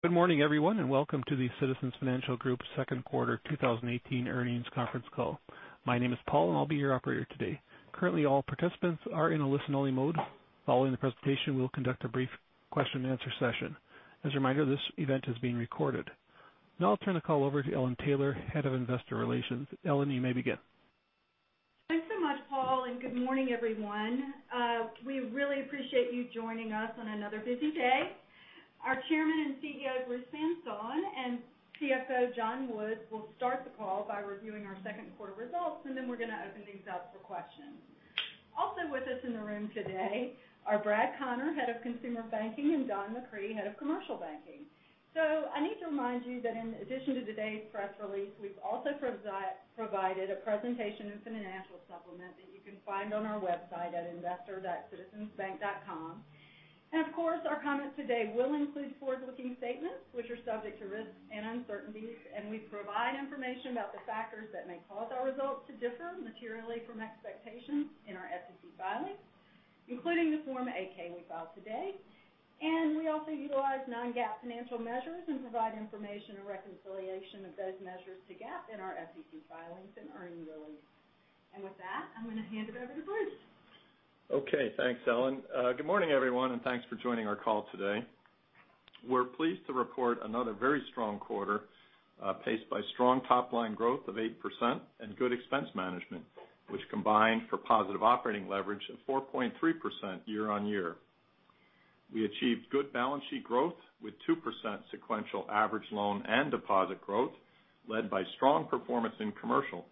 Good morning, everyone, welcome to the Citizens Financial Group second quarter 2018 earnings conference call. My name is Paul, I'll be your operator today. Currently, all participants are in a listen-only mode. Following the presentation, we'll conduct a brief question and answer session. As a reminder, this event is being recorded. Now I'll turn the call over to Ellen Taylor, Head of Investor Relations. Ellen, you may begin. Thanks so much, Paul, good morning, everyone. We really appreciate you joining us on another busy day. Our Chairman and CEO, Bruce Van Saun, and CFO, John Woods, will start the call by reviewing our second quarter results, then we're going to open things up for questions. Also with us in the room today are Brad Conner, Head of Consumer Banking, and Don McCree, Head of Commercial Banking. I need to remind you that in addition to today's press release, we've also provided a presentation and financial supplement that you can find on our website at investor.citizensbank.com. Of course, our comments today will include forward-looking statements, which are subject to risks and uncertainties, and we provide information about the factors that may cause our results to differ materially from expectations in our SEC filings, including the Form 8-K we filed today. We also utilize non-GAAP financial measures and provide information and reconciliation of those measures to GAAP in our SEC filings and earnings release. With that, I'm going to hand it over to Bruce. Okay. Thanks, Ellen. Good morning, everyone, thanks for joining our call today. We're pleased to report another very strong quarter, paced by strong top-line growth of 8% and good expense management, which combined for positive operating leverage of 4.3% year-on-year. We achieved good balance sheet growth with 2% sequential average loan and deposit growth led by strong performance in commercial.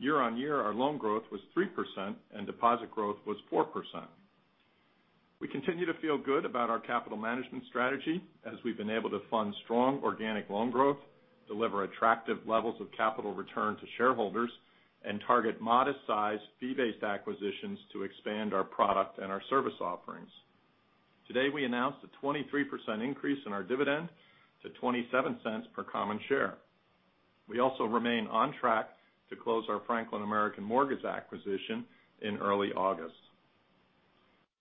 Year-on-year, our loan growth was 3% and deposit growth was 4%. We continue to feel good about our capital management strategy as we've been able to fund strong organic loan growth, deliver attractive levels of capital return to shareholders, and target modest size fee-based acquisitions to expand our product and our service offerings. Today, we announced a 23% increase in our dividend to $0.27 per common share. We also remain on track to close our Franklin American Mortgage acquisition in early August.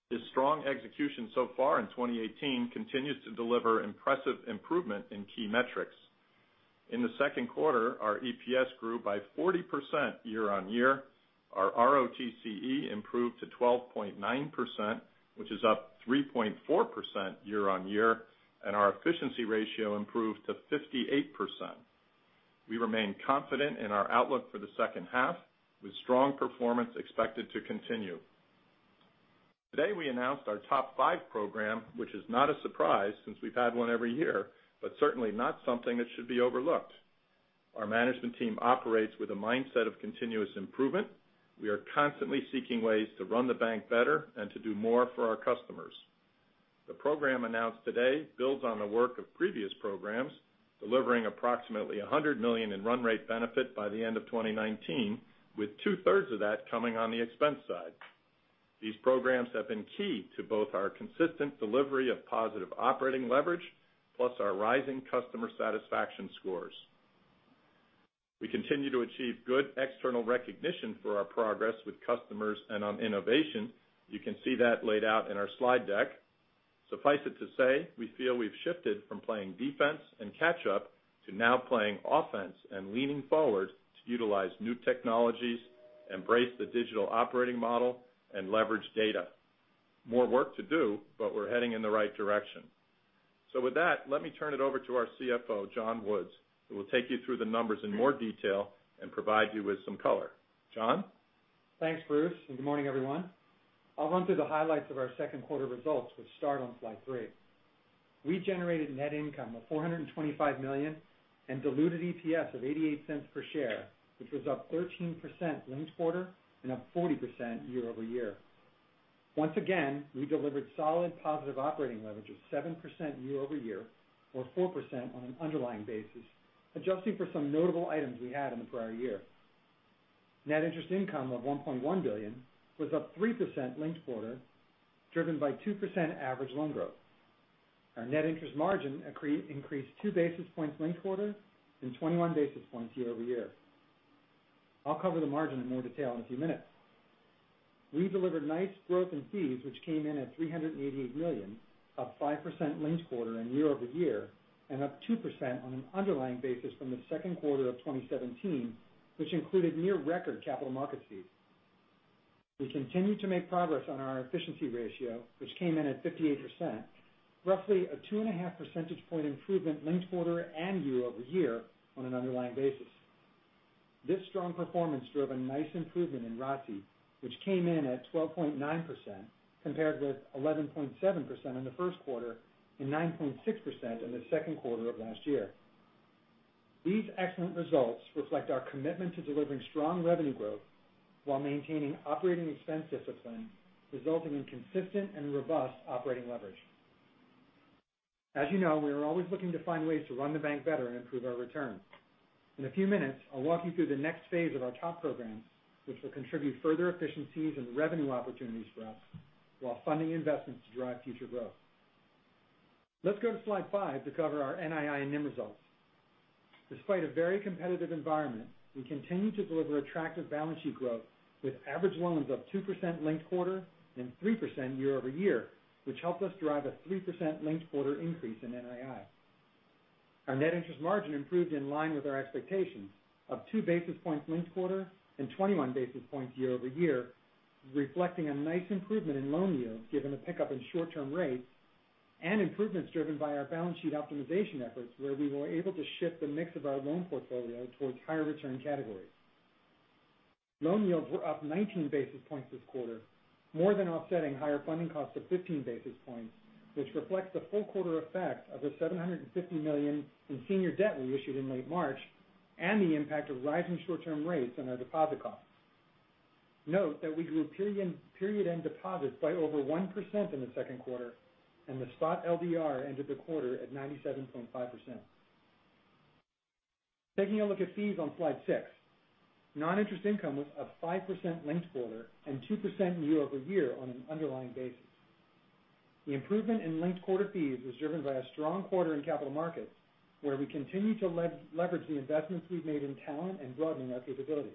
This strong execution so far in 2018 continues to deliver impressive improvement in key metrics. In the second quarter, our EPS grew by 40% year-on-year. Our ROTCE improved to 12.9%, which is up 3.4% year-on-year, and our efficiency ratio improved to 58%. We remain confident in our outlook for the second half with strong performance expected to continue. Today, we announced our Top Five Program, which is not a surprise since we've had one every year, but certainly not something that should be overlooked. Our management team operates with a mindset of continuous improvement. We are constantly seeking ways to run the bank better and to do more for our customers. The program announced today builds on the work of previous programs, delivering approximately $100 million in run rate benefit by the end of 2019, with two-thirds of that coming on the expense side. These programs have been key to both our consistent delivery of positive operating leverage, plus our rising customer satisfaction scores. We continue to achieve good external recognition for our progress with customers and on innovation. You can see that laid out in our slide deck. Suffice it to say, we feel we've shifted from playing defense and catch up to now playing offense and leaning forward to utilize new technologies, embrace the digital operating model, and leverage data. More work to do, but we're heading in the right direction. With that, let me turn it over to our CFO, John Woods, who will take you through the numbers in more detail and provide you with some color. John? Thanks, Bruce, and good morning, everyone. I'll run through the highlights of our second quarter results, which start on slide three. We generated net income of $425 million and diluted EPS of $0.88 per share, which was up 13% linked quarter and up 40% year-over-year. Once again, we delivered solid positive operating leverage of 7% year-over-year or 4% on an underlying basis, adjusting for some notable items we had in the prior year. Net interest income of $1.1 billion was up 3% linked quarter, driven by 2% average loan growth. Our net interest margin increased two basis points linked quarter and 21 basis points year-over-year. I'll cover the margin in more detail in a few minutes. We delivered nice growth in fees which came in at $388 million, up 5% linked quarter and year-over-year, and up 2% on an underlying basis from the second quarter of 2017, which included near record capital market fees. We continue to make progress on our efficiency ratio, which came in at 58%, roughly a two and a half percentage point improvement linked quarter and year-over-year on an underlying basis. This strong performance drove a nice improvement in ROTCE, which came in at 12.9%, compared with 11.7% in the first quarter and 9.6% in the second quarter of last year. These excellent results reflect our commitment to delivering strong revenue growth while maintaining operating expense discipline, resulting in consistent and robust operating leverage. As you know, we are always looking to find ways to run the bank better and improve our returns. In a few minutes, I'll walk you through the next phase of our top programs, which will contribute further efficiencies and revenue opportunities for us while funding investments to drive future growth. Let's go to slide five to cover our NII and NIM results. Despite a very competitive environment, we continue to deliver attractive balance sheet growth with average loans up 2% linked quarter and 3% year-over-year, which helped us drive a 3% linked quarter increase in NII. Our net interest margin improved in line with our expectations of two basis points linked quarter and 21 basis points year-over-year, reflecting a nice improvement in loan yield given the pickup in short-term rates and improvements driven by our balance sheet optimization efforts where we were able to shift the mix of our loan portfolio towards higher return categories. Loan yields were up 19 basis points this quarter, more than offsetting higher funding costs of 15 basis points, which reflects the full quarter effect of the $750 million in senior debt we issued in late March and the impact of rising short-term rates on our deposit costs. Note that we grew period-end deposits by over 1% in the second quarter and the spot LDR ended the quarter at 97.5%. Taking a look at fees on slide six. Non-interest income was up 5% linked quarter and 2% year-over-year on an underlying basis. The improvement in linked quarter fees was driven by a strong quarter in capital markets, where we continue to leverage the investments we've made in talent and broaden our capabilities.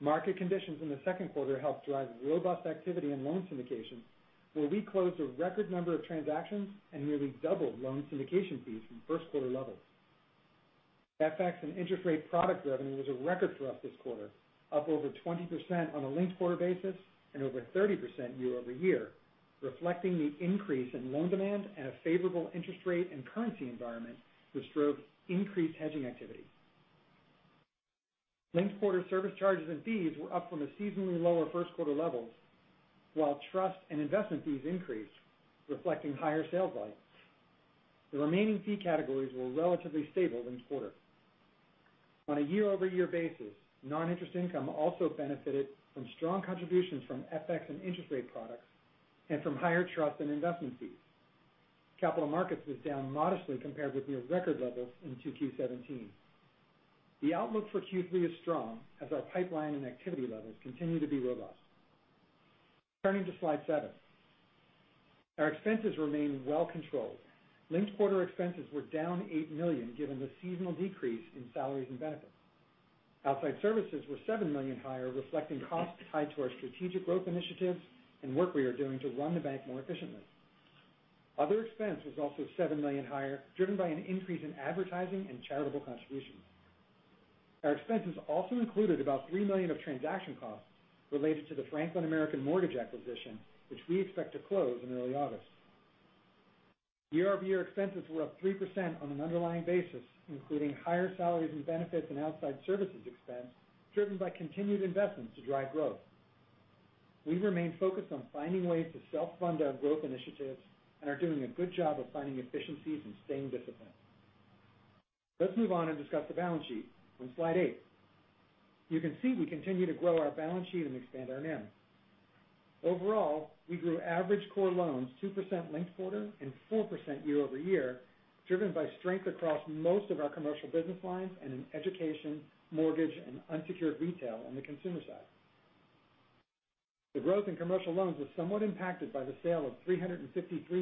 Market conditions in the second quarter helped drive robust activity in loan syndications, where we closed a record number of transactions and nearly doubled loan syndication fees from first quarter levels. FX and interest rate product revenue was a record for us this quarter, up over 20% on a linked quarter basis and over 30% year-over-year, reflecting the increase in loan demand and a favorable interest rate and currency environment which drove increased hedging activity. Linked-quarter service charges and fees were up from the seasonally lower first quarter levels, while trust and investment fees increased, reflecting higher sales volumes. The remaining fee categories were relatively stable linked quarter. On a year-over-year basis, non-interest income also benefited from strong contributions from FX and interest rate products and from higher trust and investment fees. Capital markets was down modestly compared with near record levels in 2Q17. The outlook for Q3 is strong as our pipeline and activity levels continue to be robust. Turning to slide seven. Our expenses remain well controlled. Linked-quarter expenses were down $8 million given the seasonal decrease in salaries and benefits. Outside services were $7 million higher, reflecting costs tied to our strategic growth initiatives and work we are doing to run the bank more efficiently. Other expense was also $7 million higher, driven by an increase in advertising and charitable contributions. Our expenses also included about $3 million of transaction costs related to the Franklin American Mortgage acquisition, which we expect to close in early August. Year-over-year expenses were up 3% on an underlying basis, including higher salaries and benefits and outside services expense driven by continued investments to drive growth. We remain focused on finding ways to self-fund our growth initiatives and are doing a good job of finding efficiencies and staying disciplined. Let's move on and discuss the balance sheet on slide eight. You can see we continue to grow our balance sheet and expand our NIM. Overall, we grew average core loans 2% linked quarter and 4% year-over-year, driven by strength across most of our commercial business lines and in education, mortgage and unsecured retail on the consumer side. The growth in commercial loans was somewhat impacted by the sale of $353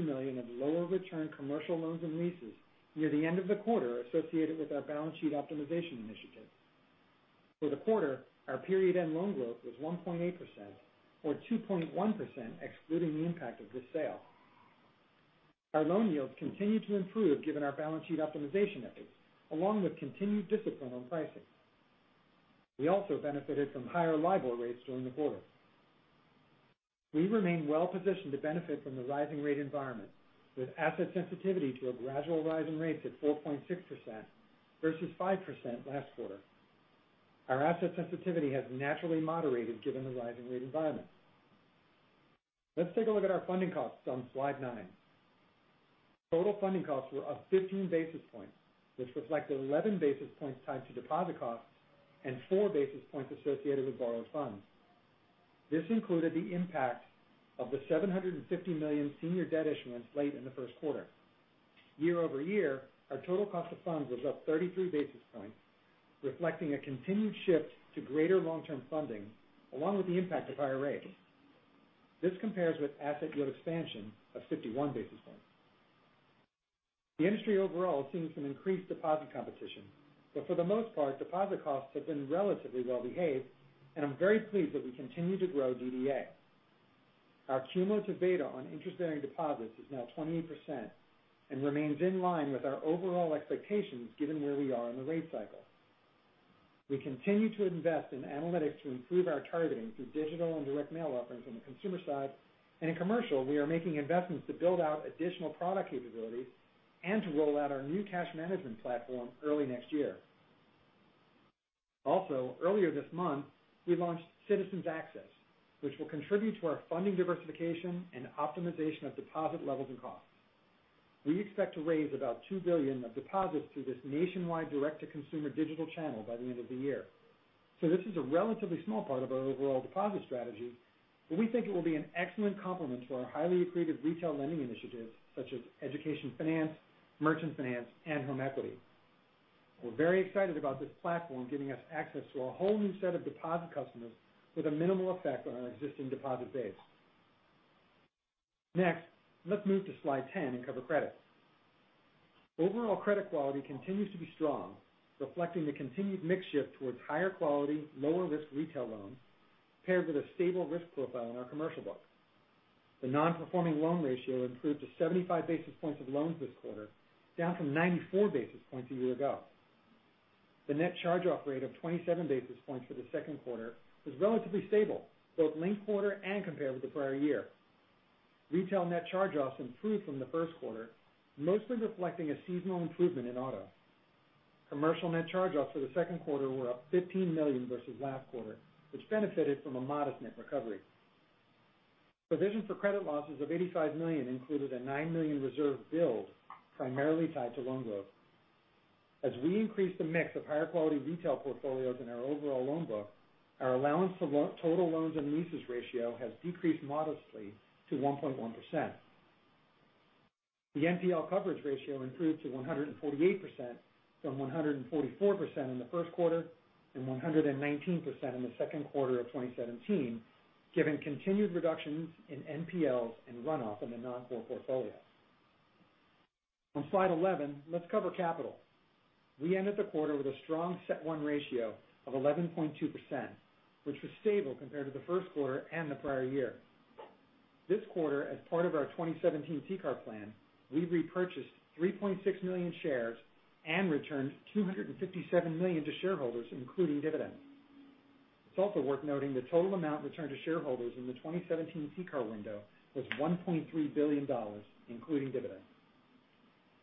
million of lower return commercial loans and leases near the end of the quarter associated with our balance sheet optimization initiative. For the quarter, our period end loan growth was 1.8%, or 2.1% excluding the impact of this sale. Our loan yields continued to improve given our balance sheet optimization efforts, along with continued discipline on pricing. We also benefited from higher LIBOR rates during the quarter. We remain well positioned to benefit from the rising rate environment with asset sensitivity to a gradual rise in rates at 4.6% versus 5% last quarter. Our asset sensitivity has naturally moderated given the rising rate environment. Let's take a look at our funding costs on slide nine. Total funding costs were up 15 basis points, which reflects 11 basis points tied to deposit costs and four basis points associated with borrowed funds. This included the impact of the $750 million senior debt issuance late in the first quarter. Year-over-year, our total cost of funds was up 33 basis points, reflecting a continued shift to greater long-term funding along with the impact of higher rates. This compares with asset yield expansion of 51 basis points. The industry overall has seen some increased deposit competition, but for the most part, deposit costs have been relatively well behaved and I'm very pleased that we continue to grow DDA. Our cumulative beta on interest-bearing deposits is now 28% and remains in line with our overall expectations given where we are in the rate cycle. We continue to invest in analytics to improve our targeting through digital and direct mail offerings on the consumer side, and in commercial, we are making investments to build out additional product capabilities and to roll out our new cash management platform early next year. Earlier this month, we launched Citizens Access, which will contribute to our funding diversification and optimization of deposit levels and costs. We expect to raise about $2 billion of deposits through this nationwide direct-to-consumer digital channel by the end of the year. This is a relatively small part of our overall deposit strategy, but we think it will be an excellent complement to our highly accretive retail lending initiatives such as education finance, merchant finance and home equity. We're very excited about this platform giving us access to a whole new set of deposit customers with a minimal effect on our existing deposit base. Next, let's move to slide 10 and cover credit. Overall credit quality continues to be strong, reflecting the continued mix shift towards higher quality, lower risk retail loans, paired with a stable risk profile in our commercial book. The non-performing loan ratio improved to 75 basis points of loans this quarter, down from 94 basis points a year ago. The net charge-off rate of 27 basis points for the second quarter was relatively stable, both linked quarter and compared with the prior year. Retail net charge-offs improved from the first quarter, mostly reflecting a seasonal improvement in auto. Commercial net charge-offs for the second quarter were up $15 million versus last quarter, which benefited from a modest net recovery. Provision for credit losses of $85 million included a $9 million reserve build primarily tied to loan growth. As we increase the mix of higher quality retail portfolios in our overall loan book, our allowance to total loans and leases ratio has decreased modestly to 1.1%. The NPL coverage ratio improved to 148% from 144% in the first quarter and 119% in the second quarter of 2017, given continued reductions in NPLs and run-off in the non-core portfolio. On slide 11, let's cover capital. We ended the quarter with a strong CET1 ratio of 11.2%, which was stable compared to the first quarter and the prior year. This quarter, as part of our 2017 CCAR plan, we repurchased 3.6 million shares and returned $257 million to shareholders, including dividends. It's also worth noting the total amount returned to shareholders in the 2017 CCAR window was $1.3 billion, including dividends.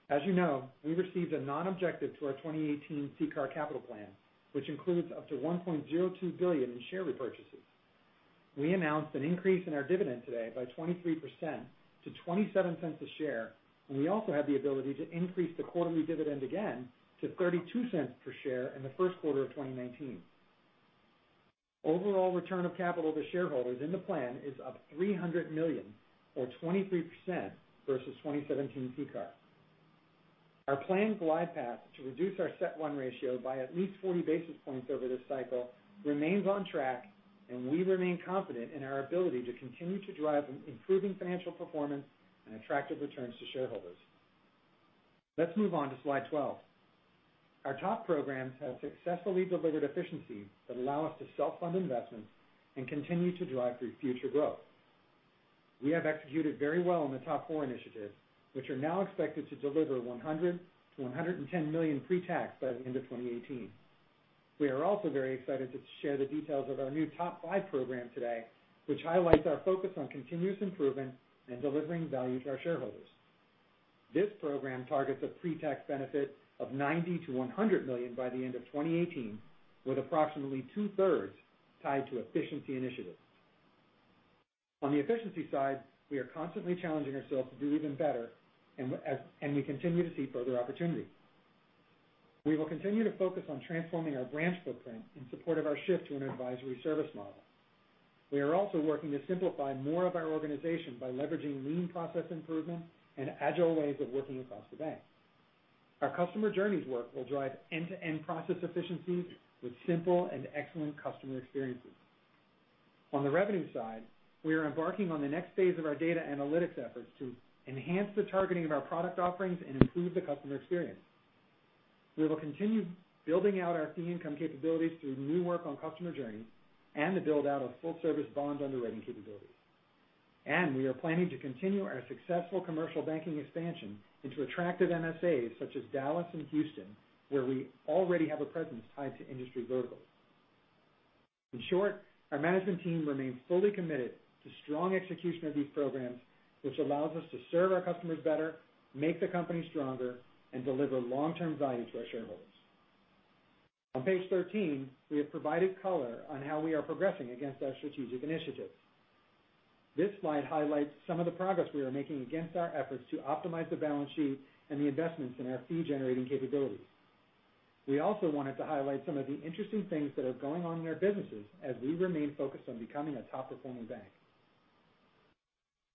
As you know, we received a non-objection to our 2018 CCAR capital plan, which includes up to $1.02 billion in share repurchases. We announced an increase in our dividend today by 23% to $0.27 a share, and we also have the ability to increase the quarterly dividend again to $0.32 per share in the first quarter of 2019. Overall return of capital to shareholders in the plan is up $300 million or 23% versus 2017 CCAR. Our planned glide path to reduce our CET1 ratio by at least 40 basis points over this cycle remains on track, and we remain confident in our ability to continue to drive improving financial performance and attractive returns to shareholders. Let's move on to slide 12. Our top programs have successfully delivered efficiencies that allow us to self-fund investments and continue to drive future growth. We have executed very well on the top four initiatives, which are now expected to deliver $100 million-$110 million pre-tax by the end of 2018. We are also very excited to share the details of our new top five program today, which highlights our focus on continuous improvement and delivering value to our shareholders. This program targets a pre-tax benefit of $90 million-$100 million by the end of 2018, with approximately two-thirds tied to efficiency initiatives. On the efficiency side, we are constantly challenging ourselves to do even better, and we continue to see further opportunities. We will continue to focus on transforming our branch footprint in support of our shift to an advisory service model. We are also working to simplify more of our organization by leveraging lean process improvement and agile ways of working across the bank. Our customer journeys work will drive end-to-end process efficiencies with simple and excellent customer experiences. On the revenue side, we are embarking on the next phase of our data analytics efforts to enhance the targeting of our product offerings and improve the customer experience. We will continue building out our fee income capabilities through new work on customer journeys and the build-out of full service bond underwriting capabilities. We are planning to continue our successful commercial banking expansion into attractive MSAs such as Dallas and Houston, where we already have a presence tied to industry verticals. In short, our management team remains fully committed to strong execution of these programs, which allows us to serve our customers better, make the company stronger, and deliver long-term value to our shareholders. On page 13, we have provided color on how we are progressing against our strategic initiatives. This slide highlights some of the progress we are making against our efforts to optimize the balance sheet and the investments in our fee-generating capabilities. We also wanted to highlight some of the interesting things that are going on in our businesses as we remain focused on becoming a top-performing bank.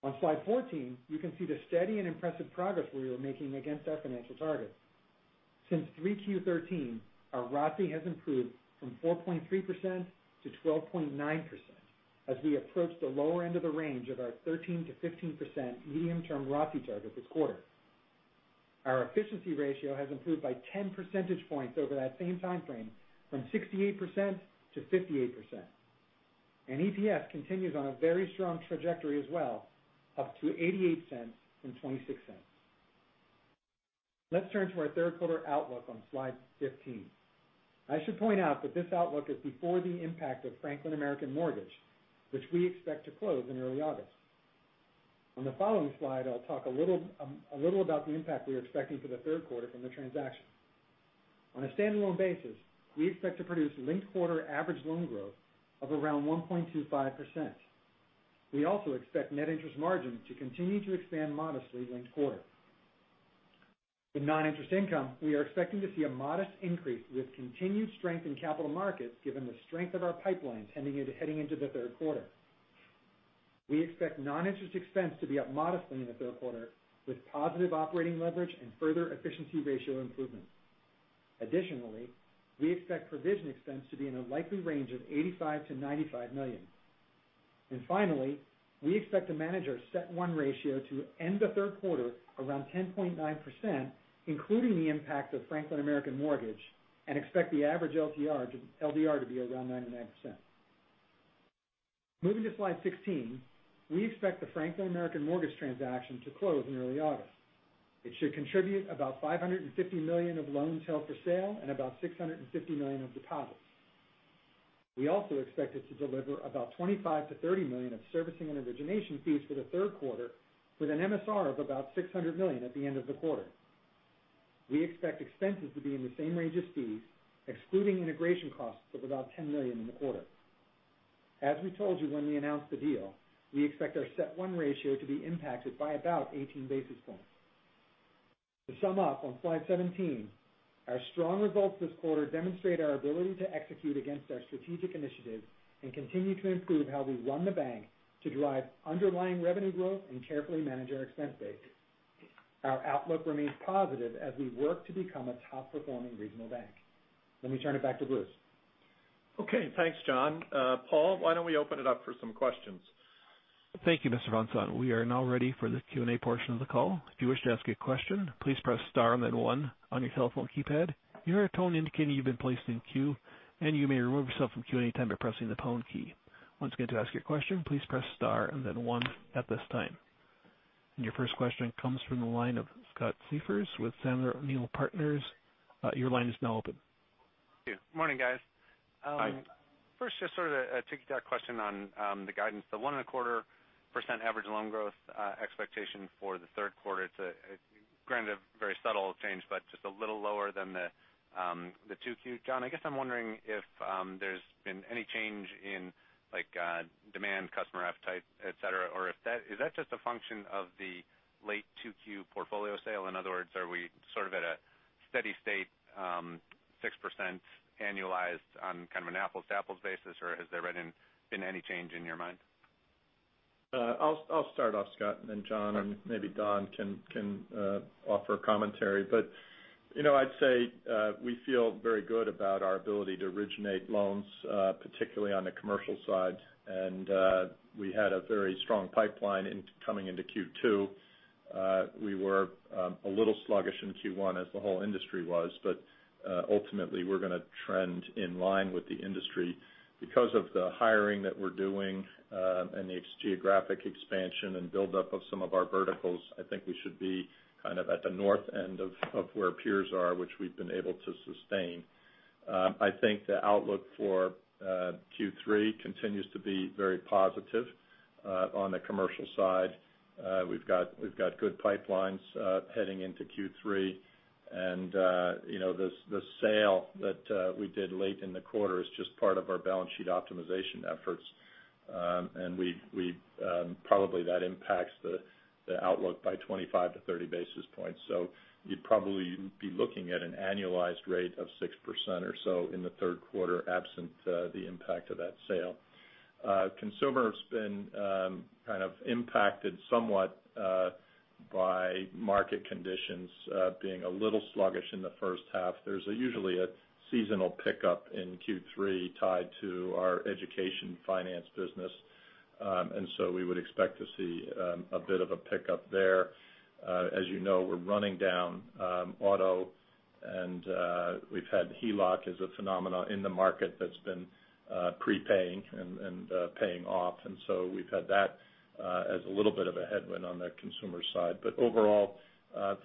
On slide 14, you can see the steady and impressive progress we are making against our financial targets. Since 3Q13, our ROTCE has improved from 4.3%-12.9% as we approach the lower end of the range of our 13%-15% medium-term ROTCE target this quarter. Our efficiency ratio has improved by 10 percentage points over that same time frame from 68%-58%. EPS continues on a very strong trajectory as well, up to $0.88 from $0.26. Let's turn to our third quarter outlook on slide 15. I should point out that this outlook is before the impact of Franklin American Mortgage, which we expect to close in early August. On the following slide, I'll talk a little about the impact we are expecting for the third quarter from the transaction. On a standalone basis, we expect to produce linked-quarter average loan growth of around 1.25%. We also expect net interest margin to continue to expand modestly linked quarter. In non-interest income, we are expecting to see a modest increase with continued strength in capital markets given the strength of our pipeline heading into the third quarter. We expect non-interest expense to be up modestly in the third quarter with positive operating leverage and further efficiency ratio improvements. Additionally, we expect provision expense to be in a likely range of $85 million-$95 million. Finally, we expect the manager CET1 ratio to end the third quarter around 10.9%, including the impact of Franklin American Mortgage, and expect the average LDR to be around 99%. Moving to slide 16, we expect the Franklin American Mortgage transaction to close in early August. It should contribute about $550 million of loans held for sale and about $650 million of deposits. We also expect it to deliver about $25 million-$30 million of servicing and origination fees for the third quarter, with an MSR of about $600 million at the end of the quarter. We expect expenses to be in the same range as fees, excluding integration costs of about $10 million in the quarter. As we told you when we announced the deal, we expect our CET1 ratio to be impacted by about 18 basis points. To sum up on slide 17, our strong results this quarter demonstrate our ability to execute against our strategic initiatives and continue to improve how we run the bank to drive underlying revenue growth and carefully manage our expense base. Our outlook remains positive as we work to become a top-performing regional bank. Let me turn it back to Bruce. Okay. Thanks, John. Paul, why don't we open it up for some questions? Thank you, Bruce Van Saun. We are now ready for the Q&A portion of the call. If you wish to ask a question, please press star and then one on your telephone keypad. You'll hear a tone indicating you've been placed in queue, and you may remove yourself from queue at any time by pressing the pound key. Once again, to ask your question, please press star and then one at this time. Your first question comes from the line of Scott Siefers with Sandler O'Neill & Partners. Your line is now open. Thank you. Morning, guys. Hi. First, just sort of a tick-tock question on the guidance. The 1.25% average loan growth expectation for the third quarter. Granted, a very subtle change, but just a little lower than the 2Q. John, I guess I'm wondering if there's been any change in demand, customer appetite, et cetera, or is that just a function of the late 2Q portfolio sale? In other words, are we sort of at a steady state 6% annualized on kind of an apples-to-apples basis, or has there been any change in your mind? I'll start off, Scott, and then John and maybe Don can offer commentary. I'd say we feel very good about our ability to originate loans, particularly on the commercial side. We had a very strong pipeline coming into Q2. We were a little sluggish in Q1 as the whole industry was. Ultimately, we're going to trend in line with the industry. Because of the hiring that we're doing and the geographic expansion and buildup of some of our verticals, I think we should be kind of at the north end of where peers are, which we've been able to sustain. I think the outlook for Q3 continues to be very positive on the commercial side. We've got good pipelines heading into Q3. The sale that we did late in the quarter is just part of our balance sheet optimization efforts. Probably that impacts the outlook by 25 to 30 basis points. You'd probably be looking at an annualized rate of 6% or so in the third quarter, absent the impact of that sale. Consumer has been kind of impacted somewhat by market conditions being a little sluggish in the first half. There's usually a seasonal pickup in Q3 tied to our education finance business. We would expect to see a bit of a pickup there. As you know, we're running down auto and we've had HELOC as a phenomenon in the market that's been prepaying and paying off. We've had that as a little bit of a headwind on the consumer side. Overall,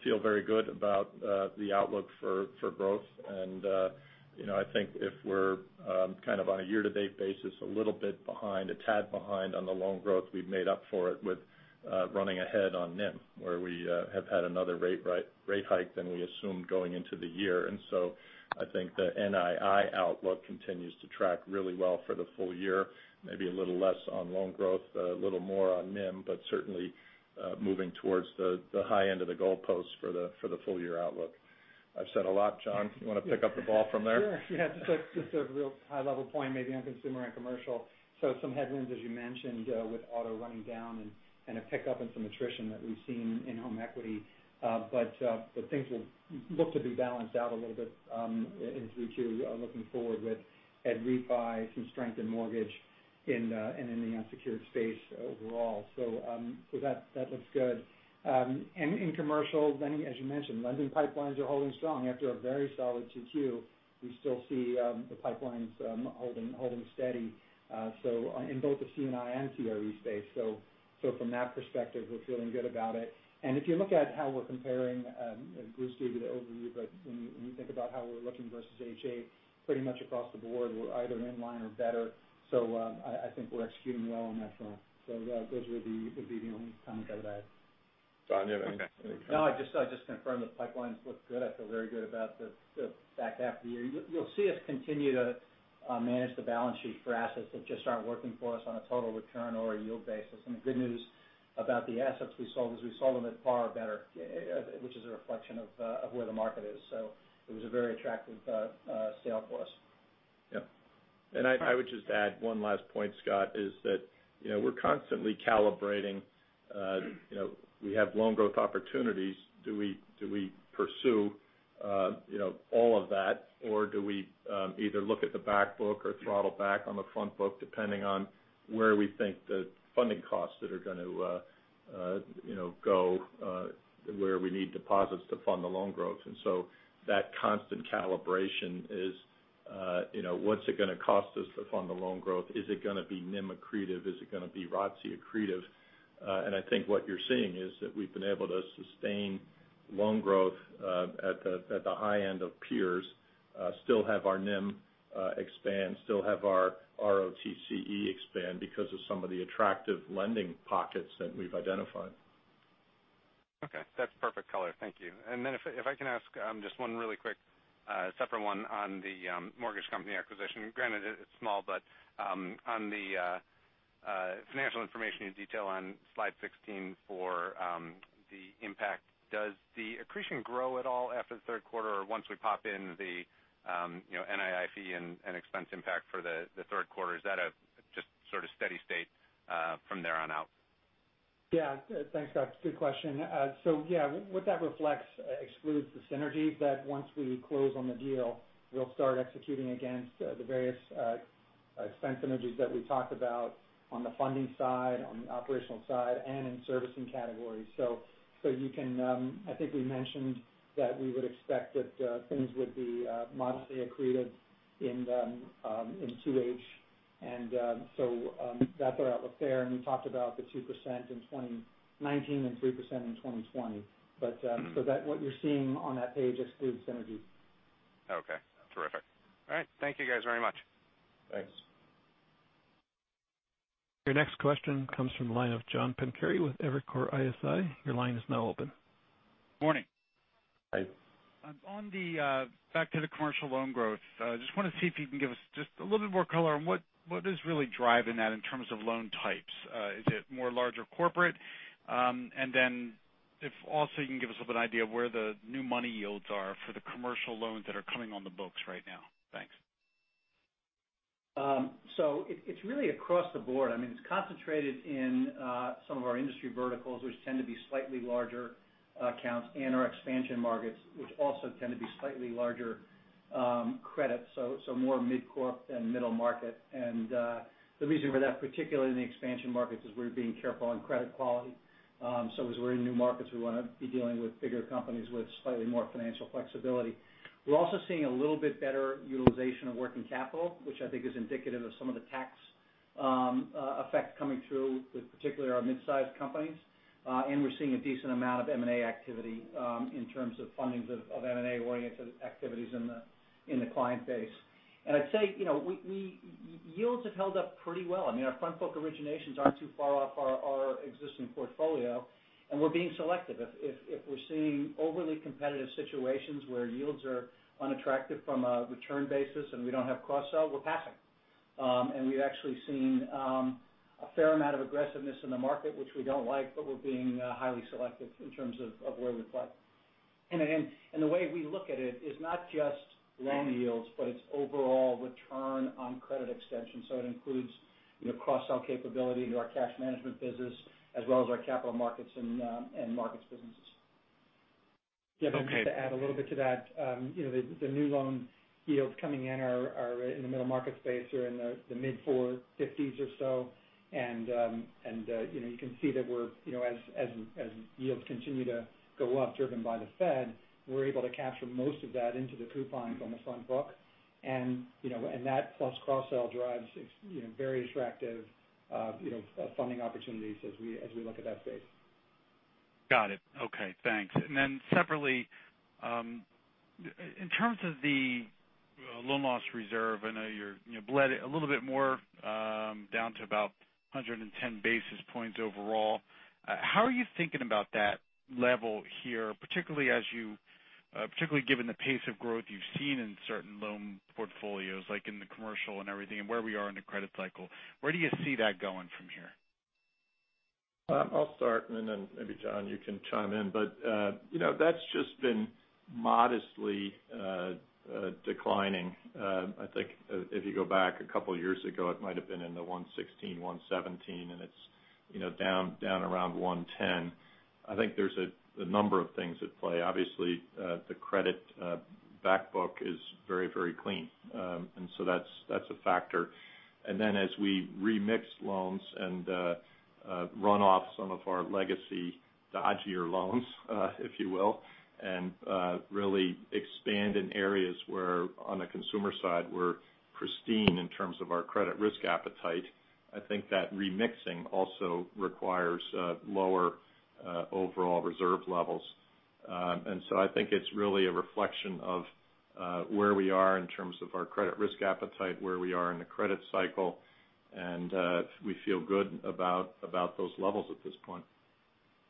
feel very good about the outlook for growth. I think if we're kind of on a year-to-date basis, a little bit behind, a tad behind on the loan growth, we've made up for it with running ahead on NIM, where we have had another rate hike than we assumed going into the year. I think the NII outlook continues to track really well for the full year. Maybe a little less on loan growth, a little more on NIM, but certainly moving towards the high end of the goalpost for the full-year outlook. I've said a lot. John, you want to pick up the ball from there? Sure. Yeah. Just a real high-level point maybe on consumer and commercial. Some headwinds, as you mentioned, with auto running down and a pickup in some attrition that we've seen in home equity. Things will look to be balanced out a little bit into 3Q looking forward with refi, some strength in mortgage and in the unsecured space overall. That looks good. In commercial lending, as you mentioned, lending pipelines are holding strong after a very solid 2Q. We still see the pipelines holding steady in both the C&I and CRE space. From that perspective, we're feeling good about it. If you look at how we're comparing, Bruce gave you the overview, but when you think about how we're looking versus H1, pretty much across the board, we're either in line or better. I think we're executing well on that front. Those would be the only comments I would add. Don, you have anything? No, I'd just confirm the pipelines look good. I feel very good about the back half of the year. You'll see us continue to manage the balance sheet for assets that just aren't working for us on a total return or a yield basis. The good news about the assets we sold is we sold them at par or better, which is a reflection of where the market is. It was a very attractive sale for us. Yeah. I would just add one last point, Scott, is that we're constantly calibrating. We have loan growth opportunities. Do we pursue all of that or do we either look at the back book or throttle back on the front book, depending on where we think the funding costs that are going to go where we need deposits to fund the loan growth. That constant calibration is, what's it going to cost us to fund the loan growth? Is it going to be NIM accretive? Is it going to be ROTCE accretive? I think what you're seeing is that we've been able to sustain loan growth at the high end of peers, still have our NIM expand, still have our ROTCE expand because of some of the attractive lending pockets that we've identified. Okay. That's perfect color. Thank you. If I can ask just one really quick separate one on the mortgage company acquisition. Granted, it's small, but on the financial information you detail on slide 16 for the impact, does the accretion grow at all after the third quarter, or once we pop in the NII fee and expense impact for the third quarter, is that a just sort of steady state from there on out? Yeah. Thanks, Scott. Good question. Yeah, what that reflects excludes the synergies that once we close on the deal, we'll start executing against the various expense synergies that we talked about on the funding side, on the operational side, and in servicing categories. I think we mentioned that we would expect that things would be modestly accretive in 2H. That's our outlook there. We talked about the 2% in 2019 and 3% in 2020. What you're seeing on that page excludes synergies. Okay. Terrific. All right. Thank you guys very much. Thanks. Your next question comes from the line of John Pancari with Evercore ISI. Your line is now open. Morning. Hi. Back to the commercial loan growth. Just want to see if you can give us just a little bit more color on what is really driving that in terms of loan types. Is it more larger corporate? If also you can give us a bit idea of where the new money yields are for the commercial loans that are coming on the books right now. Thanks. It's really across the board. It's concentrated in some of our industry verticals, which tend to be slightly larger accounts in our expansion markets, which also tend to be slightly larger credits, more mid-corp than middle market. The reason for that, particularly in the expansion markets, is we're being careful on credit quality. As we're in new markets, we want to be dealing with bigger companies with slightly more financial flexibility. We're also seeing a little bit better utilization of working capital, which I think is indicative of some of the tax effect coming through with particularly our mid-sized companies. We're seeing a decent amount of M&A activity in terms of fundings of M&A-oriented activities in the client base. I'd say yields have held up pretty well. Our front book originations aren't too far off our existing portfolio. We're being selective. If we're seeing overly competitive situations where yields are unattractive from a return basis and we don't have cross-sell, we're passing. We've actually seen a fair amount of aggressiveness in the market, which we don't like, but we're being highly selective in terms of where we play. The way we look at it is not just loan yields, but it's overall return on credit extension. It includes cross-sell capability into our cash management business as well as our capital markets and markets businesses. Okay. Yeah. Just to add a little bit to that. The new loan yields coming in are in the middle market space or in the mid 4.50s or so. You can see that as yields continue to go up driven by the Fed, we're able to capture most of that into the coupons on the front book. That plus cross-sell drives very attractive funding opportunities as we look at that space. Got it. Okay, thanks. Separately, in terms of the loan loss reserve, I know you bled it a little bit more down to about 110 basis points overall. How are you thinking about that level here, particularly given the pace of growth you've seen in certain loan portfolios, like in the commercial and everything, and where we are in the credit cycle? Where do you see that going from here? I'll start and then maybe John, you can chime in. That's just been modestly declining. I think if you go back a couple of years ago, it might've been in the 116, 117, and it's down around 110. I think there's a number of things at play. Obviously, the credit back book is very clean. So that's a factor. As we remix loans and run off some of our legacy dodgier loans, if you will, and really expand in areas where on the consumer side, we're pristine in terms of our credit risk appetite. I think that remixing also requires lower overall reserve levels. So I think it's really a reflection of where we are in terms of our credit risk appetite, where we are in the credit cycle, and we feel good about those levels at this point.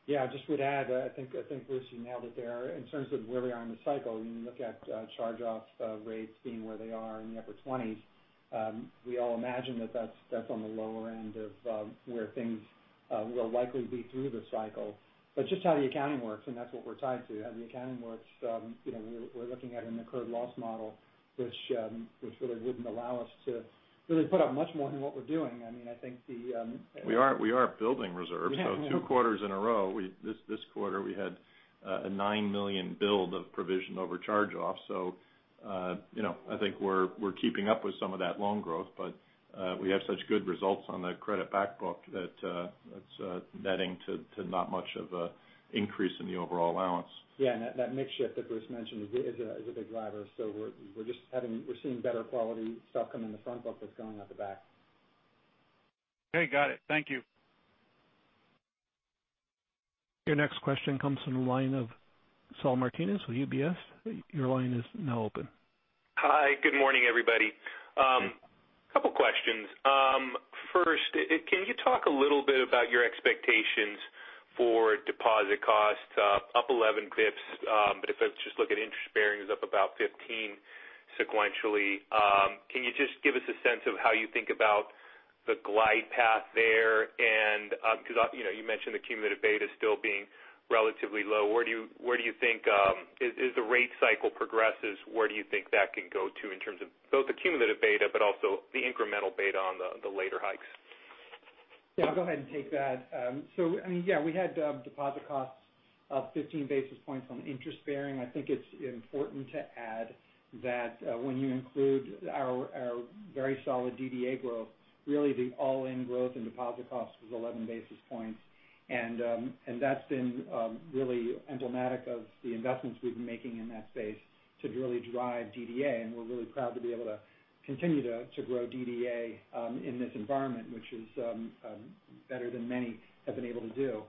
Yeah, I just would add, I think, Bruce, you nailed it there. In terms of where we are in the cycle, when you look at charge-off rates being where they are in the upper 20s, we all imagine that that's on the lower end of where things. We'll likely be through the cycle. Just how the accounting works, and that's what we're tied to, how the accounting works, we're looking at an incurred loss model, which really wouldn't allow us to really put up much more than what we're doing. We are building reserves. Yeah. Two quarters in a row. This quarter, we had a $9 million build of provision over charge-offs. I think we're keeping up with some of that loan growth, but we have such good results on the credit back book that it's netting to not much of an increase in the overall allowance. Yeah. That mix shift that Bruce mentioned is a big driver. We're seeing better quality stuff come in the front book that's going out the back. Okay, got it. Thank you. Your next question comes from the line of Saul Martinez with UBS. Your line is now open. Hi, good morning, everybody. Couple questions. First, can you talk a little bit about your expectations for deposit costs up 11 basis points? If I just look at interest bearing, it's up about 15 sequentially. Can you just give us a sense of how you think about the glide path there? Because you mentioned the cumulative beta still being relatively low. As the rate cycle progresses, where do you think that can go to in terms of both the cumulative beta but also the incremental beta on the later hikes? I'll go ahead and take that. We had deposit costs up 15 basis points on interest bearing. I think it's important to add that when you include our very solid DDA growth, really the all-in growth in deposit costs was 11 basis points. That's been really emblematic of the investments we've been making in that space to really drive DDA. We're really proud to be able to continue to grow DDA in this environment, which is better than many have been able to do.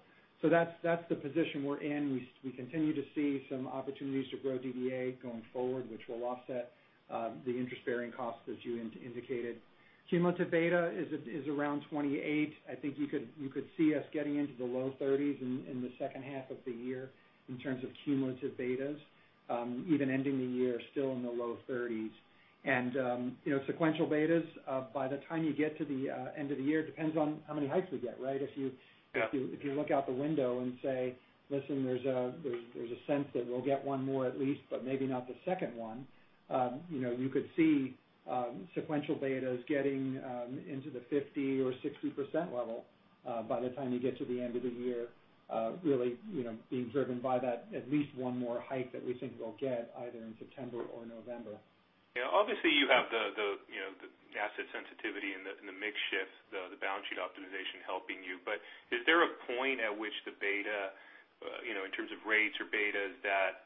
That's the position we're in. We continue to see some opportunities to grow DDA going forward, which will offset the interest-bearing costs, as you indicated. Cumulative beta is around 28. I think you could see us getting into the low 30s in the second half of the year in terms of cumulative betas. Even ending the year still in the low 30s. Sequential betas, by the time you get to the end of the year, depends on how many hikes we get, right? Yeah. If you look out the window and say, listen, there's a sense that we'll get one more at least, but maybe not the second one. You could see sequential betas getting into the 50% or 60% level by the time you get to the end of the year. Being driven by that at least one more hike that we think we'll get either in September or November. Obviously, you have the asset sensitivity and the mix shift, the balance sheet optimization helping you. Is there a point at which the beta, in terms of rates or betas that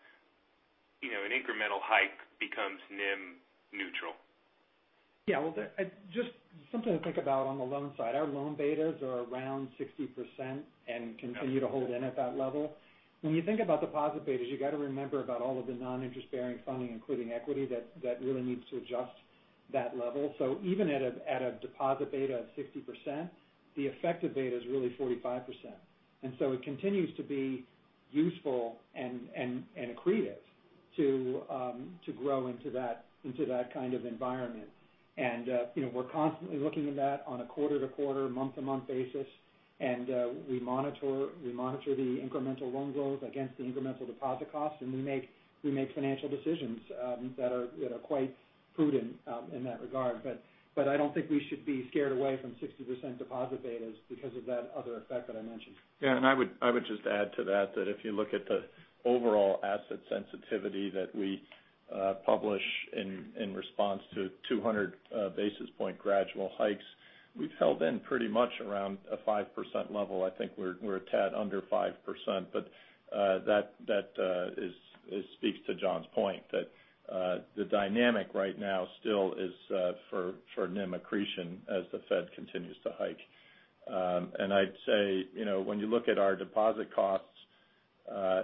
an incremental hike becomes NIM neutral? Just something to think about on the loan side. Our loan betas are around 60% and continue to hold in at that level. When you think about deposit betas, you got to remember about all of the non-interest-bearing funding, including equity, that really needs to adjust that level. Even at a deposit beta of 60%, the effective beta is really 45%. It continues to be useful and accretive to grow into that kind of environment. We're constantly looking at that on a quarter to quarter, month to month basis. We monitor the incremental loan growth against the incremental deposit cost, and we make financial decisions that are quite prudent in that regard. I don't think we should be scared away from 60% deposit betas because of that other effect that I mentioned. I would just add to that if you look at the overall asset sensitivity that we publish in response to 200 basis point gradual hikes, we've held in pretty much around a 5% level. I think we're a tad under 5%, that speaks to John's point that the dynamic right now still is for NIM accretion as the Fed continues to hike. I'd say, when you look at our deposit costs,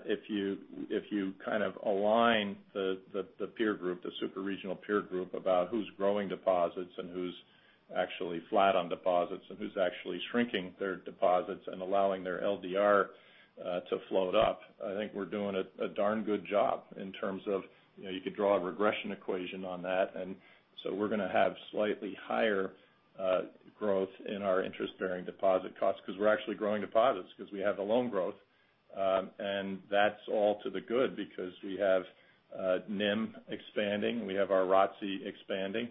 if you kind of align the peer group, the super regional peer group about who's growing deposits and who's actually flat on deposits and who's actually shrinking their deposits and allowing their LDR to float up. I think we're doing a darn good job in terms of, you could draw a regression equation on that. We're going to have slightly higher growth in our interest-bearing deposit costs because we're actually growing deposits because we have the loan growth. That's all to the good because we have NIM expanding. We have our ROTCE expanding.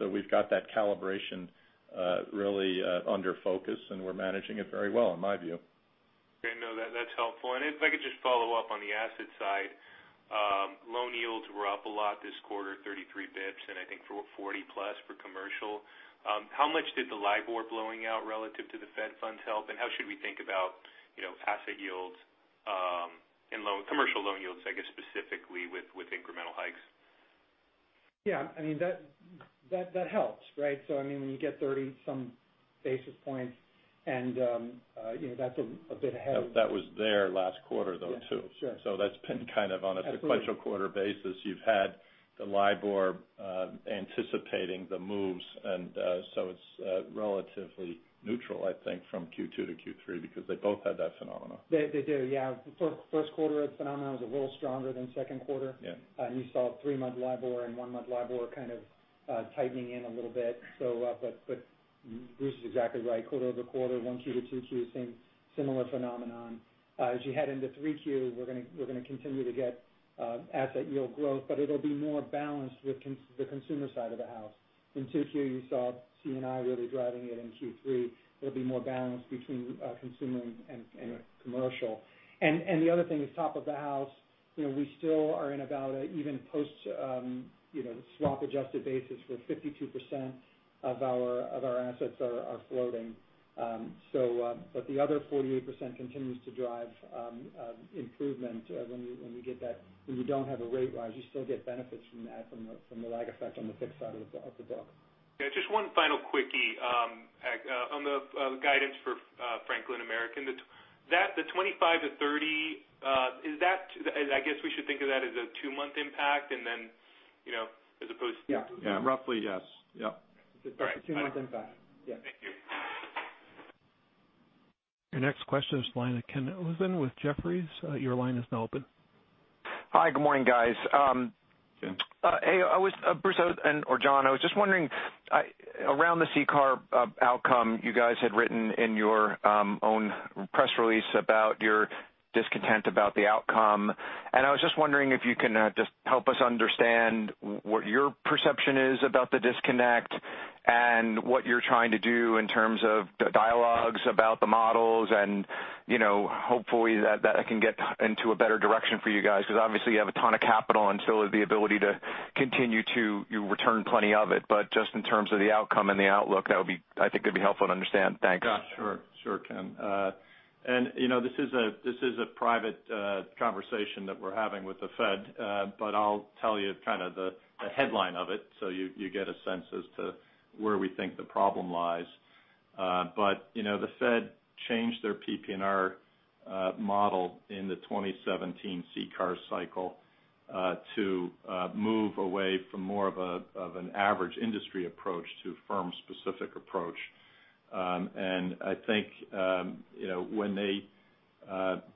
We've got that calibration really under focus, and we're managing it very well in my view. Okay. No, that's helpful. If I could just follow up on the asset side. Loan yields were up a lot this quarter, 33 basis points, and I think 40+ for commercial. How much did the LIBOR blowing out relative to the Fed Funds help, and how should we think about asset yields and commercial loan yields, I guess, specifically with incremental hikes? Yeah, that helps, right? When you get 30 some basis points That's a bit ahead. That was there last quarter though, too. Yeah. Sure. That's been kind of on Absolutely sequential quarter basis. You've had the LIBOR anticipating the moves, it's relatively neutral, I think, from Q2 to Q3 because they both had that phenomena. They do, yeah. First quarter, that phenomena was a little stronger than second quarter. Yeah. You saw three-month LIBOR and one-month LIBOR kind of tightening in a little bit. Bruce is exactly right. Quarter-over-quarter, 1Q to 2Q, same similar phenomenon. As you head into 3Q, we're going to continue to get asset yield growth, but it'll be more balanced with the consumer side of the house. In 2Q, you saw C&I really driving it. In Q3, it'll be more balanced between consumer and commercial. The other thing is top of the house. We still are in about an even post swap-adjusted basis where 52% of our assets are floating. The other 48% continues to drive improvement when you don't have a rate rise. You still get benefits from that, from the lag effect on the fixed side of the book. Yeah. Just one final quickie. On the guidance for Franklin American, the 25 to 30, I guess we should think of that as a two-month impact, and then as opposed to Yeah. Yeah. Roughly, yes. Yep. It's a two-month impact. Yes. Thank you. Your next question is the line of Ken Usdin with Jefferies. Your line is now open. Hi. Good morning, guys. Ken. Hey. Bruce or John, I was just wondering, around the CCAR outcome, you guys had written in your own press release about your discontent about the outcome. I was just wondering if you can just help us understand what your perception is about the disconnect and what you're trying to do in terms of the dialogues about the models, hopefully that can get into a better direction for you guys because obviously you have a ton of capital and still have the ability to continue to return plenty of it. Just in terms of the outcome and the outlook, I think that'd be helpful to understand. Thanks. Sure, Ken. This is a private conversation that we're having with the Fed. I'll tell you kind of the headline of it so you get a sense as to where we think the problem lies. The Fed changed their PPNR model in the 2017 CCAR cycle to move away from more of an average industry approach to a firm-specific approach. I think when they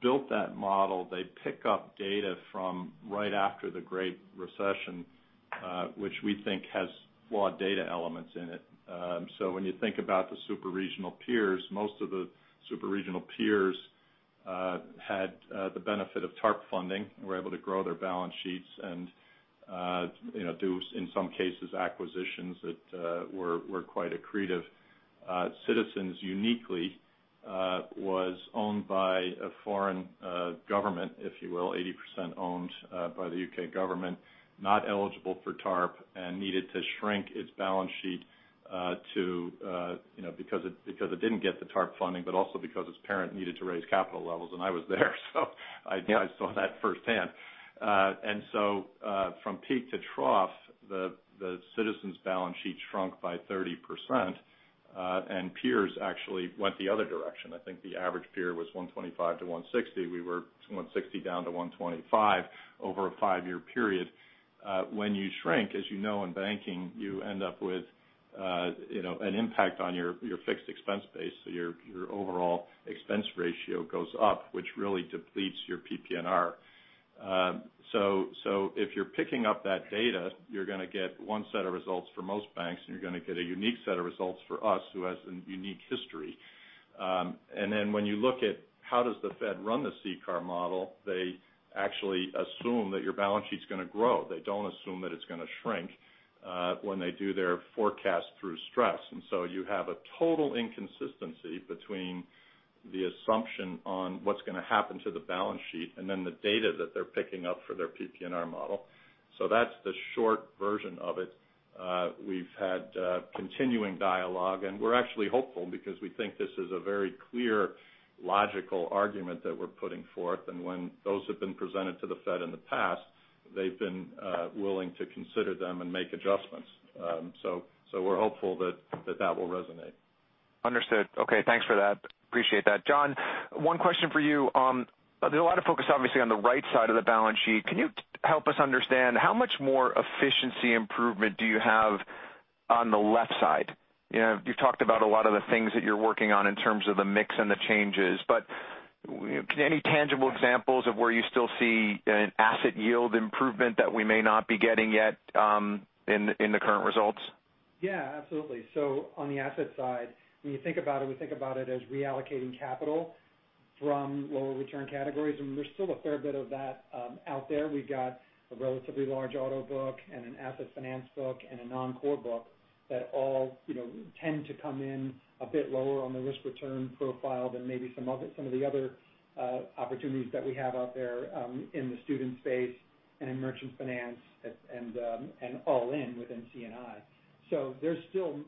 built that model, they pick up data from right after the Great Recession, which we think has flawed data elements in it. When you think about the super regional peers, most of the super regional peers had the benefit of TARP funding and were able to grow their balance sheets and do, in some cases, acquisitions that were quite accretive. Citizens uniquely was owned by a foreign government, if you will, 80% owned by the U.K. government, not eligible for TARP, and needed to shrink its balance sheet because it didn't get the TARP funding, but also because its parent needed to raise capital levels, and I was there, so I saw that firsthand. From peak to trough, the Citizens balance sheet shrunk by 30%, and peers actually went the other direction. I think the average peer was $125-$160. We were $160 down to $125 over a five-year period. When you shrink, as you know, in banking, you end up with an impact on your fixed expense base. Your overall expense ratio goes up, which really depletes your PPNR. If you're picking up that data, you're going to get one set of results for most banks, and you're going to get a unique set of results for us, who has a unique history. When you look at how does the Fed run the CCAR model, they actually assume that your balance sheet's going to grow. They don't assume that it's going to shrink when they do their forecast through stress. You have a total inconsistency between the assumption on what's going to happen to the balance sheet and then the data that they're picking up for their PPNR model. That's the short version of it. We've had continuing dialogue, and we're actually hopeful because we think this is a very clear, logical argument that we're putting forth. When those have been presented to the Fed in the past, they've been willing to consider them and make adjustments. We're hopeful that that will resonate. Understood. Okay. Thanks for that. Appreciate that. John, one question for you. There's a lot of focus, obviously, on the right side of the balance sheet. Can you help us understand how much more efficiency improvement do you have on the left side? You've talked about a lot of the things that you're working on in terms of the mix and the changes. Any tangible examples of where you still see an asset yield improvement that we may not be getting yet in the current results? Yeah, absolutely. On the asset side, when you think about it, we think about it as reallocating capital from lower return categories. There's still a fair bit of that out there. We've got a relatively large auto book and an asset finance book and a non-core book that all tend to come in a bit lower on the risk-return profile than maybe some of the other opportunities that we have out there in the student space and in merchant finance and all in within C&I. There's still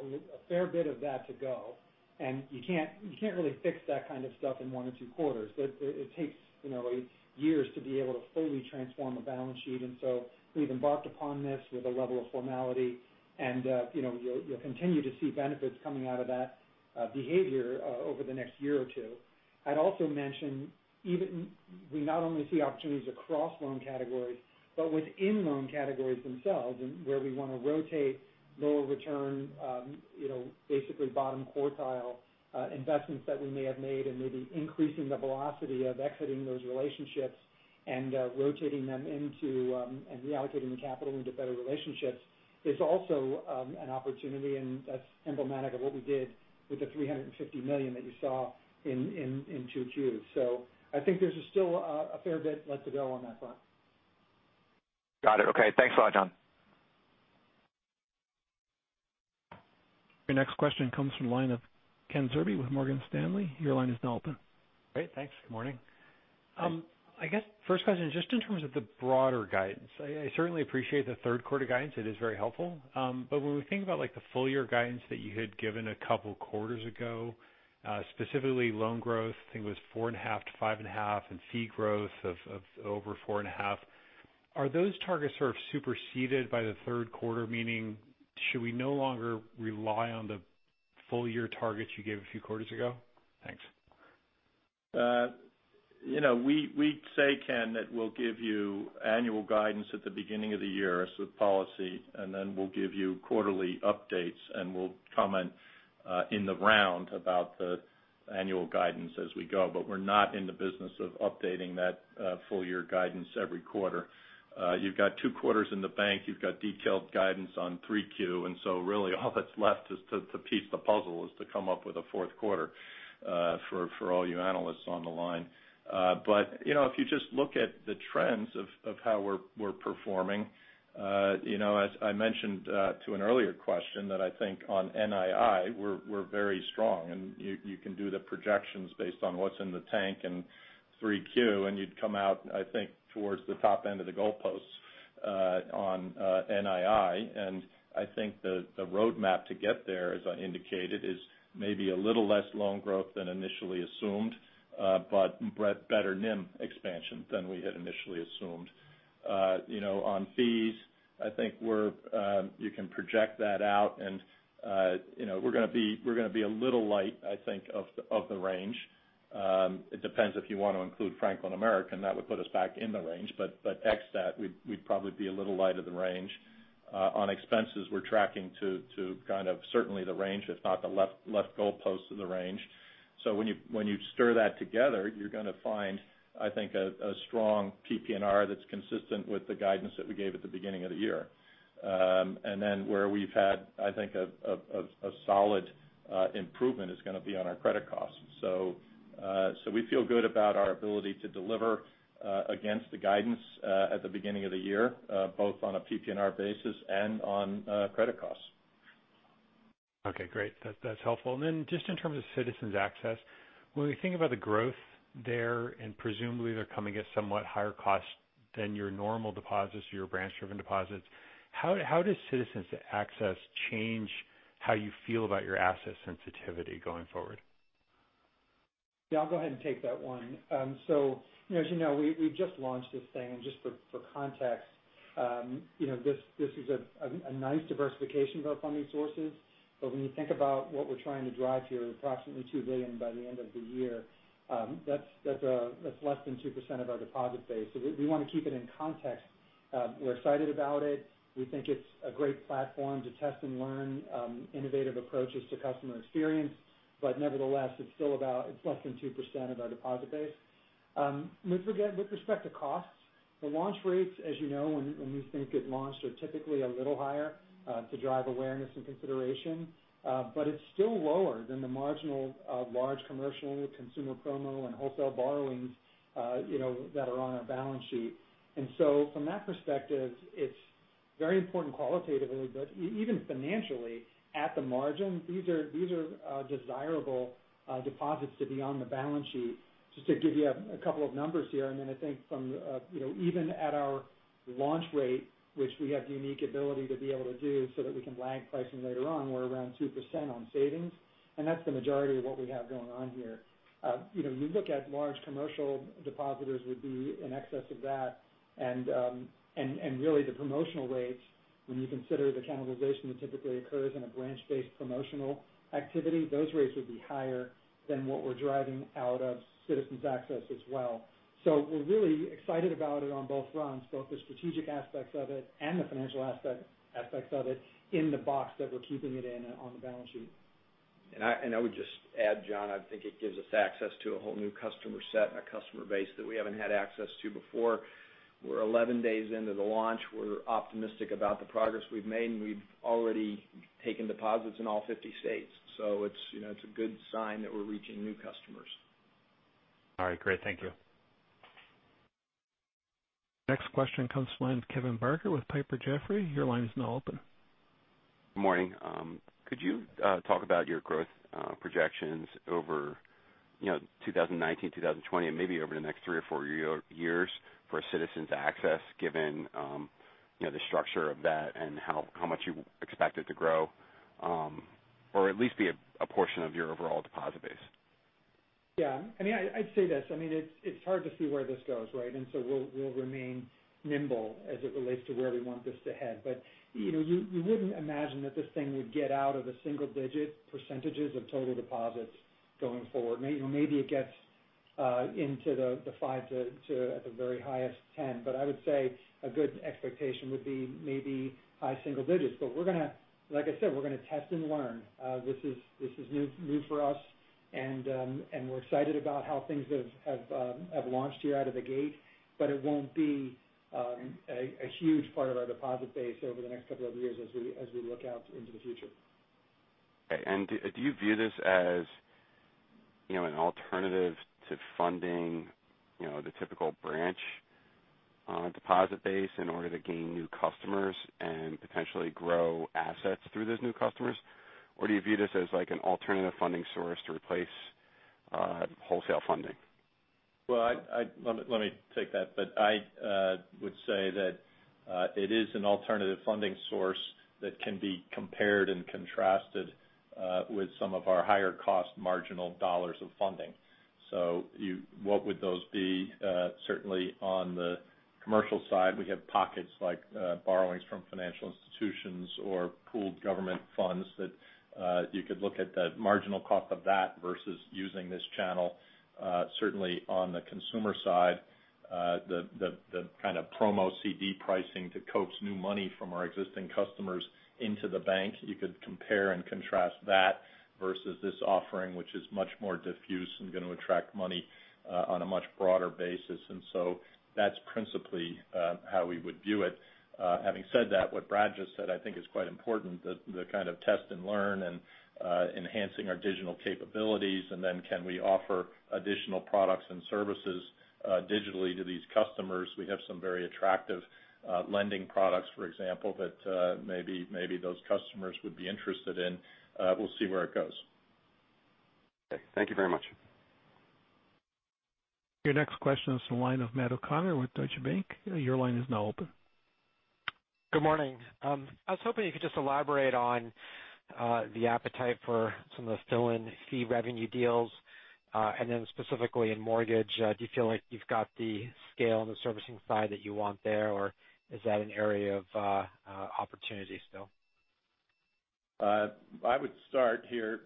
a fair bit of that to go, you can't really fix that kind of stuff in one or two quarters. It takes years to be able to fully transform a balance sheet. We've embarked upon this with a level of formality. You'll continue to see benefits coming out of that behavior over the next year or two. I'd also mention, we not only see opportunities across loan categories, but within loan categories themselves and where we want to rotate lower return, basically bottom quartile investments that we may have made and maybe increasing the velocity of exiting those relationships and rotating them into and reallocating the capital into better relationships is also an opportunity. That's emblematic of what we did with the $350 million that you saw in 2Q. I think there's still a fair bit left to go on that front. Got it. Okay. Thanks a lot, John. Your next question comes from the line of Ken Zerbe with Morgan Stanley. Your line is now open. Great. Thanks. Good morning. I guess first question, just in terms of the broader guidance. I certainly appreciate the third quarter guidance. It is very helpful. When we think about the full-year guidance that you had given a couple quarters ago, specifically loan growth, I think it was 4.5%-5.5% and fee growth of over 4.5%. Are those targets sort of superseded by the third quarter? Meaning, should we no longer rely on the full-year targets you gave a few quarters ago? Thanks. We say, Ken, that we'll give you annual guidance at the beginning of the year as the policy, then we'll give you quarterly updates and we'll comment in the round about the annual guidance as we go. We're not in the business of updating that full-year guidance every quarter. You've got two quarters in the bank. You've got detailed guidance on 3Q, so really all that's left is to piece the puzzle, is to come up with a fourth quarter for all you analysts on the line. If you just look at the trends of how we're performing, as I mentioned to an earlier question, that I think on NII we're very strong and you can do the projections based on what's in the tank in 3Q and you'd come out, I think, towards the top end of the goalposts on NII. I think the roadmap to get there, as I indicated, is maybe a little less loan growth than initially assumed. Better NIM expansion than we had initially assumed. On fees, I think you can project that out and we're going to be a little light, I think, of the range. It depends if you want to include Franklin American, that would put us back in the range, but ex that, we'd probably be a little light of the range. On expenses we're tracking to kind of certainly the range, if not the left goalpost of the range. When you stir that together, you're going to find, I think, a strong PPNR that's consistent with the guidance that we gave at the beginning of the year. Then where we've had, I think, a solid improvement is going to be on our credit costs. We feel good about our ability to deliver against the guidance at the beginning of the year, both on a PPNR basis and on credit costs. Okay, great. That's helpful. Just in terms of Citizens Access, when we think about the growth there, and presumably they're coming at somewhat higher cost than your normal deposits or your branch-driven deposits, how does Citizens Access change how you feel about your asset sensitivity going forward? Yeah, I'll go ahead and take that one. As you know, we just launched this thing and just for context, this is a nice diversification of our funding sources. When you think about what we're trying to drive here, approximately $2 billion by the end of the year, that's less than 2% of our deposit base. We want to keep it in context. We're excited about it. We think it's a great platform to test and learn innovative approaches to customer experience. Nevertheless, it's less than 2% of our deposit base. With respect to costs, the launch rates, as you know, when you think it launched, are typically a little higher to drive awareness and consideration. It's still lower than the marginal large commercial consumer promo and wholesale borrowings that are on our balance sheet. From that perspective, it's very important qualitatively, but even financially at the margin, these are desirable deposits to be on the balance sheet. Just to give you a couple of numbers here and then I think from even at our launch rate, which we have the unique ability to be able to do so that we can lag pricing later on, we're around 2% on savings, and that's the majority of what we have going on here. You look at large commercial depositors would be in excess of that and really the promotional rates when you consider the cannibalization that typically occurs in a branch-based promotional activity, those rates would be higher than what we're driving out of Citizens Access as well. We're really excited about it on both fronts, both the strategic aspects of it and the financial aspects of it in the box that we're keeping it in on the balance sheet. I would just add, John, I think it gives us access to a whole new customer set and a customer base that we haven't had access to before. We're 11 days into the launch. We're optimistic about the progress we've made, and we've already taken deposits in all 50 states. It's a good sign that we're reaching new customers. All right, great. Thank you. Next question comes from Kevin Barker with Piper Jaffray. Your line is now open. Good morning. Could you talk about your growth projections over 2019, 2020, and maybe over the next three or four years for Citizens Access given the structure of that and how much you expect it to grow? Or at least be a portion of your overall deposit base? Yeah. I'd say this. It's hard to see where this goes, right? We'll remain nimble as it relates to where we want this to head. You wouldn't imagine that this thing would get out of the single-digit percentages of total deposits going forward. Maybe it gets into the five to, at the very highest, 10. I would say a good expectation would be maybe high single digits. Like I said, we're going to test and learn. This is new for us and we're excited about how things have launched here out of the gate, but it won't be a huge part of our deposit base over the next couple of years as we look out into the future. Okay. Do you view this as an alternative to funding the typical branch deposit base in order to gain new customers and potentially grow assets through those new customers? Do you view this as like an alternative funding source to replace wholesale funding? Well, let me take that. I would say that it is an alternative funding source that can be compared and contrasted with some of our higher cost marginal dollars of funding. What would those be? Certainly on the commercial side, we have pockets like borrowings from financial institutions or pooled government funds that you could look at the marginal cost of that versus using this channel. Certainly on the consumer side, the kind of promo CD pricing to coax new money from our existing customers into the bank. You could compare and contrast that versus this offering, which is much more diffuse and going to attract money on a much broader basis. That's principally how we would view it. Having said that, what Brad just said, I think is quite important, the kind of test and learn and enhancing our digital capabilities, and then can we offer additional products and services digitally to these customers. We have some very attractive lending products, for example, that maybe those customers would be interested in. We'll see where it goes. Okay. Thank you very much. Your next question is the line of Matt O'Connor with Deutsche Bank. Your line is now open. Good morning. I was hoping you could just elaborate on the appetite for some of the fill-in fee revenue deals. Specifically in mortgage, do you feel like you've got the scale and the servicing side that you want there, or is that an area of opportunity still? I would start here.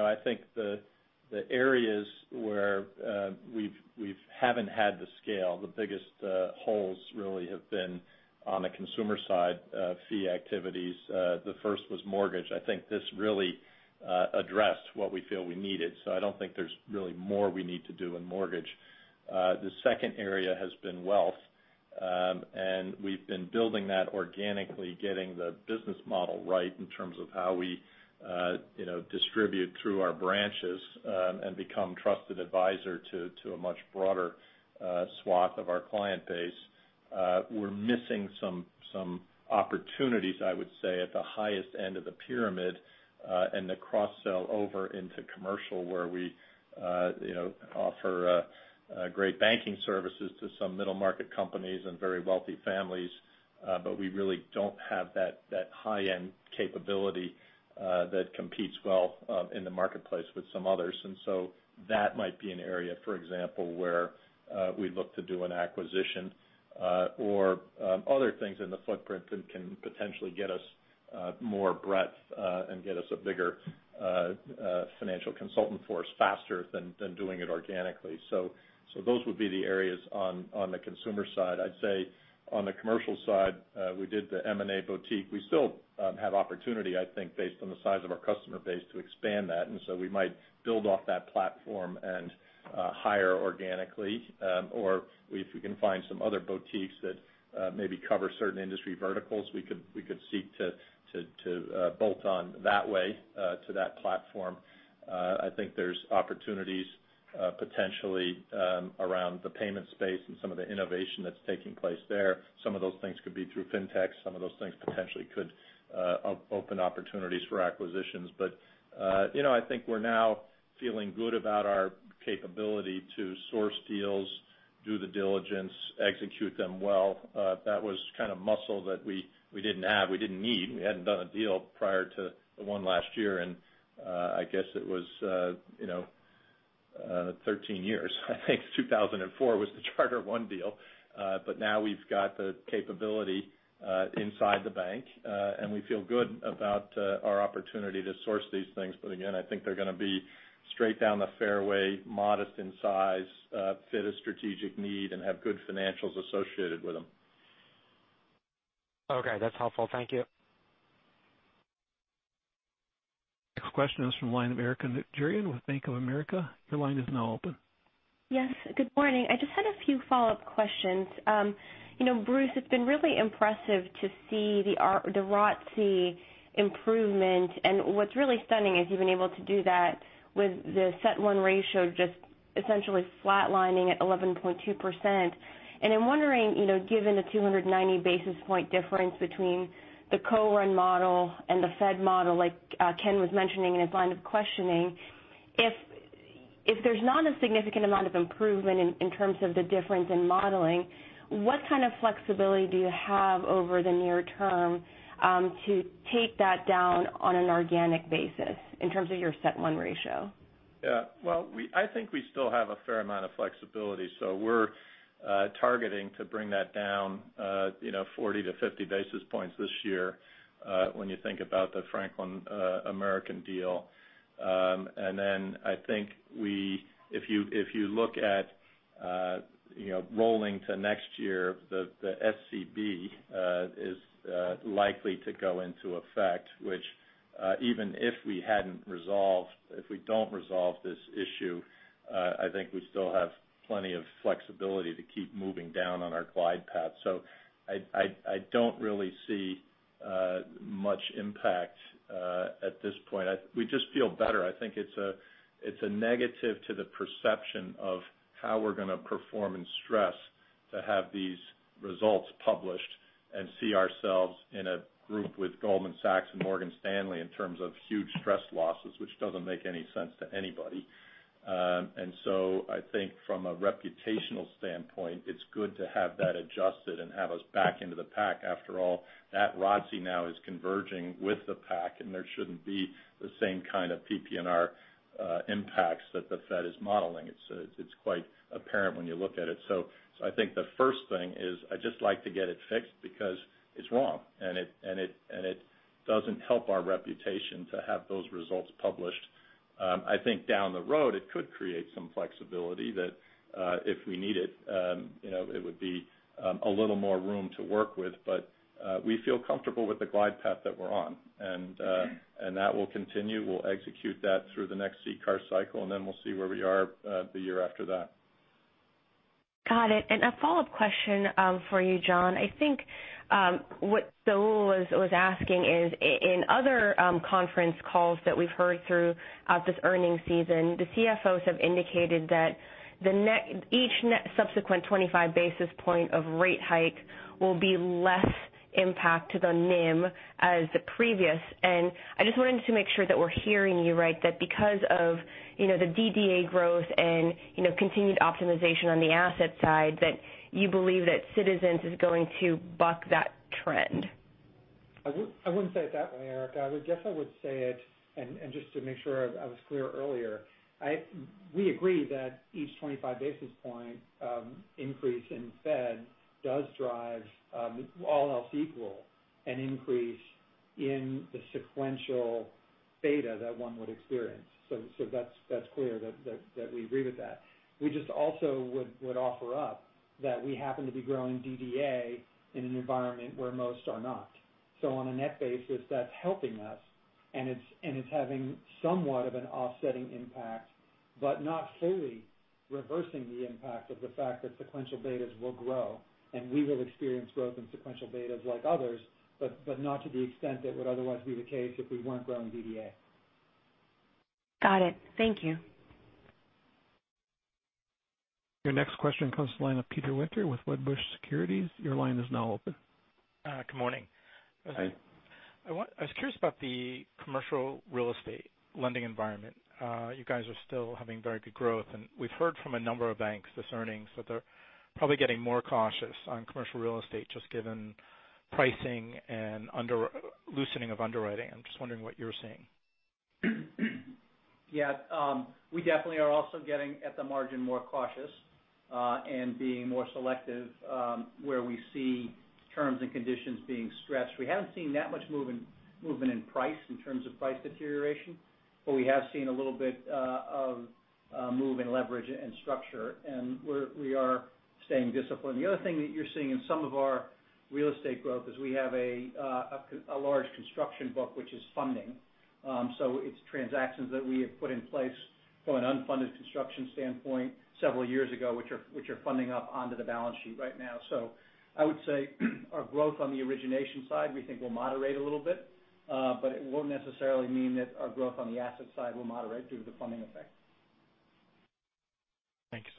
I think the areas where we haven't had the scale, the biggest holes really have been on the consumer side of fee activities. The first was mortgage. I think this really addressed what we feel we needed. I don't think there's really more we need to do in mortgage. The second area has been wealth. We've been building that organically, getting the business model right in terms of how we distribute through our branches and become trusted advisor to a much broader swath of our client base. We're missing some opportunities, I would say, at the highest end of the pyramid and the cross-sell over into commercial where we offer great banking services to some middle-market companies and very wealthy families. We really don't have that high-end capability that competes well in the marketplace with some others. That might be an area, for example, where we look to do an acquisition or other things in the footprint that can potentially get us more breadth and get us a bigger financial consultant force faster than doing it organically. Those would be the areas on the consumer side. I'd say on the commercial side, we did the M&A boutique. We still have opportunity, I think, based on the size of our customer base to expand that, we might build off that platform and hire organically. If we can find some other boutiques that maybe cover certain industry verticals, we could seek to bolt on that way to that platform. I think there's opportunities potentially around the payment space and some of the innovation that's taking place there. Some of those things could be through fintech. Some of those things potentially could open opportunities for acquisitions. I think we're now feeling good about our capability to source deals, do the diligence, execute them well. That was kind of muscle that we didn't have, we didn't need. We hadn't done a deal prior to the one last year in, I guess it was 13 years, I think. 2004 was the Charter One deal. Now we've got the capability inside the bank. We feel good about our opportunity to source these things. Again, I think they're going to be straight down the fairway, modest in size, fit a strategic need, and have good financials associated with them. Okay. That's helpful. Thank you. Next question is from the line of Erika Najarian with Bank of America. Your line is now open. Yes. Good morning. I just had a few follow-up questions. Bruce, it's been really impressive to see the ROTCE improvement. What's really stunning is you've been able to do that with the CET1 ratio just essentially flatlining at 11.2%. I'm wondering, given the 290 basis point difference between the co-run model and the Fed model like Ken was mentioning in his line of questioning, if there's not a significant amount of improvement in terms of the difference in modeling, what kind of flexibility do you have over the near term to take that down on an organic basis in terms of your CET1 ratio? Well, I think we still have a fair amount of flexibility. We're targeting to bring that down 40 to 50 basis points this year when you think about the Franklin American deal. Then I think if you look at rolling to next year, the SCB is likely to go into effect, which even if we don't resolve this issue, I think we still have plenty of flexibility to keep moving down on our glide path. I don't really see much impact at this point. We just feel better. I think it's a negative to the perception of how we're going to perform in stress to have these results published and see ourselves in a group with Goldman Sachs and Morgan Stanley in terms of huge stress losses, which doesn't make any sense to anybody. I think from a reputational standpoint, it's good to have that adjusted and have us back into the pack. After all, that ROTCE now is converging with the pack, and there shouldn't be the same kind of PPNR impacts that the Fed is modeling. It's quite apparent when you look at it. I think the first thing is I'd just like to get it fixed because it's wrong, and it doesn't help our reputation to have those results published. I think down the road it could create some flexibility that if we need it would be a little more room to work with. We feel comfortable with the glide path that we're on and that will continue. We'll execute that through the next CCAR cycle, and then we'll see where we are the year after that. Got it. A follow-up question for you, John. I think what Saul was asking is in other conference calls that we've heard throughout this earning season, the CFOs have indicated that each subsequent 25 basis point of rate hike will be less impact to the NIM as the previous. I just wanted to make sure that we're hearing you right, that because of the DDA growth and continued optimization on the asset side, that you believe that Citizens is going to buck that trend. I wouldn't say it that way, Erika. I guess I would say it, and just to make sure I was clear earlier, we agree that each 25 basis point increase in Fed does drive all else equal, an increase in the sequential beta that one would experience. That's clear that we agree with that. We just also would offer up that we happen to be growing DDA in an environment where most are not. On a net basis, that's helping us and it's having somewhat of an offsetting impact, but not fully reversing the impact of the fact that sequential betas will grow and we will experience growth in sequential betas like others, but not to the extent that would otherwise be the case if we weren't growing DDA. Got it. Thank you. Your next question comes to the line of Peter Winter with Wedbush Securities. Your line is now open. Good morning. Hi. I was curious about the commercial real estate lending environment. You guys are still having very good growth, and we've heard from a number of banks this earnings that they're probably getting more cautious on commercial real estate, just given pricing and loosening of underwriting. I'm just wondering what you're seeing. Yeah. We definitely are also getting at the margin more cautious and being more selective where we see terms and conditions being stretched. We haven't seen that much movement in price in terms of price deterioration, but we have seen a little bit of move in leverage and structure, and we are staying disciplined. The other thing that you're seeing in some of our real estate growth is we have a large construction book which is funding. It's transactions that we have put in place from an unfunded construction standpoint several years ago, which are funding up onto the balance sheet right now. I would say our growth on the origination side we think will moderate a little bit. It won't necessarily mean that our growth on the asset side will moderate due to the funding effect. Thanks.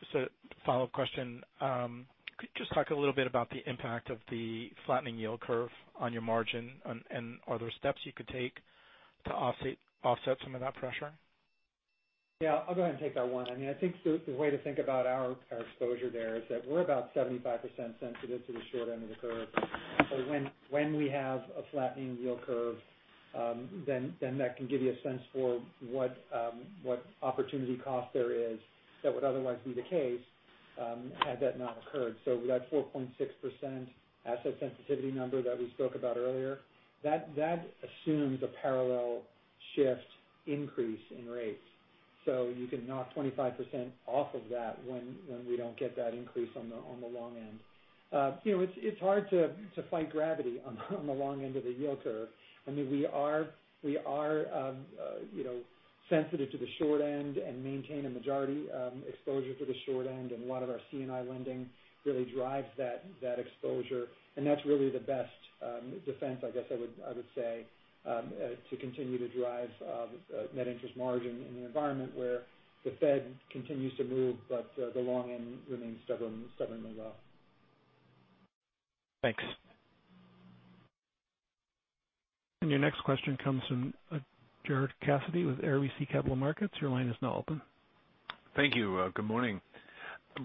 Just a follow-up question. Could you just talk a little bit about the impact of the flattening yield curve on your margin and are there steps you could take to offset some of that pressure? Yeah, I'll go ahead and take that one. I think the way to think about our exposure there is that we're about 75% sensitive to the short end of the curve. When we have a flattening yield curve that can give you a sense for what opportunity cost there is that would otherwise be the case had that not occurred. That 4.6% asset sensitivity number that we spoke about earlier, that assumes a parallel shift increase in rates. You can knock 25% off of that when we don't get that increase on the long end. It's hard to fight gravity on the long end of the yield curve. We are sensitive to the short end and maintain a majority exposure to the short end and a lot of our C&I lending really drives that exposure. That's really the best defense, I guess I would say, to continue to drive net interest margin in an environment where the Fed continues to move, the long end remains stubbornly low. Thanks. Your next question comes from Gerard Cassidy with RBC Capital Markets. Your line is now open. Thank you. Good morning.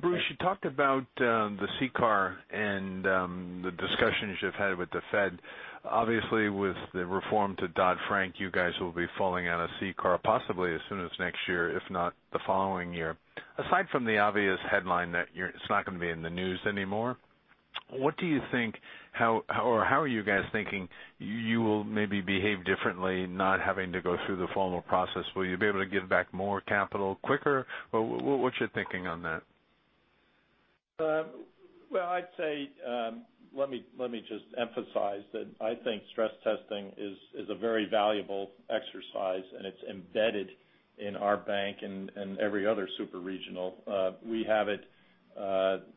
Bruce, you talked about the CCAR and the discussions you've had with the Fed. Obviously, with the reform to Dodd-Frank, you guys will be falling out of CCAR possibly as soon as next year, if not the following year. Aside from the obvious headline that it's not going to be in the news anymore, what do you think, or how are you guys thinking you will maybe behave differently not having to go through the formal process? Will you be able to give back more capital quicker? What's your thinking on that? Well, I'd say, let me just emphasize that I think stress testing is a very valuable exercise, and it's embedded in our bank and every other super-regional. We have it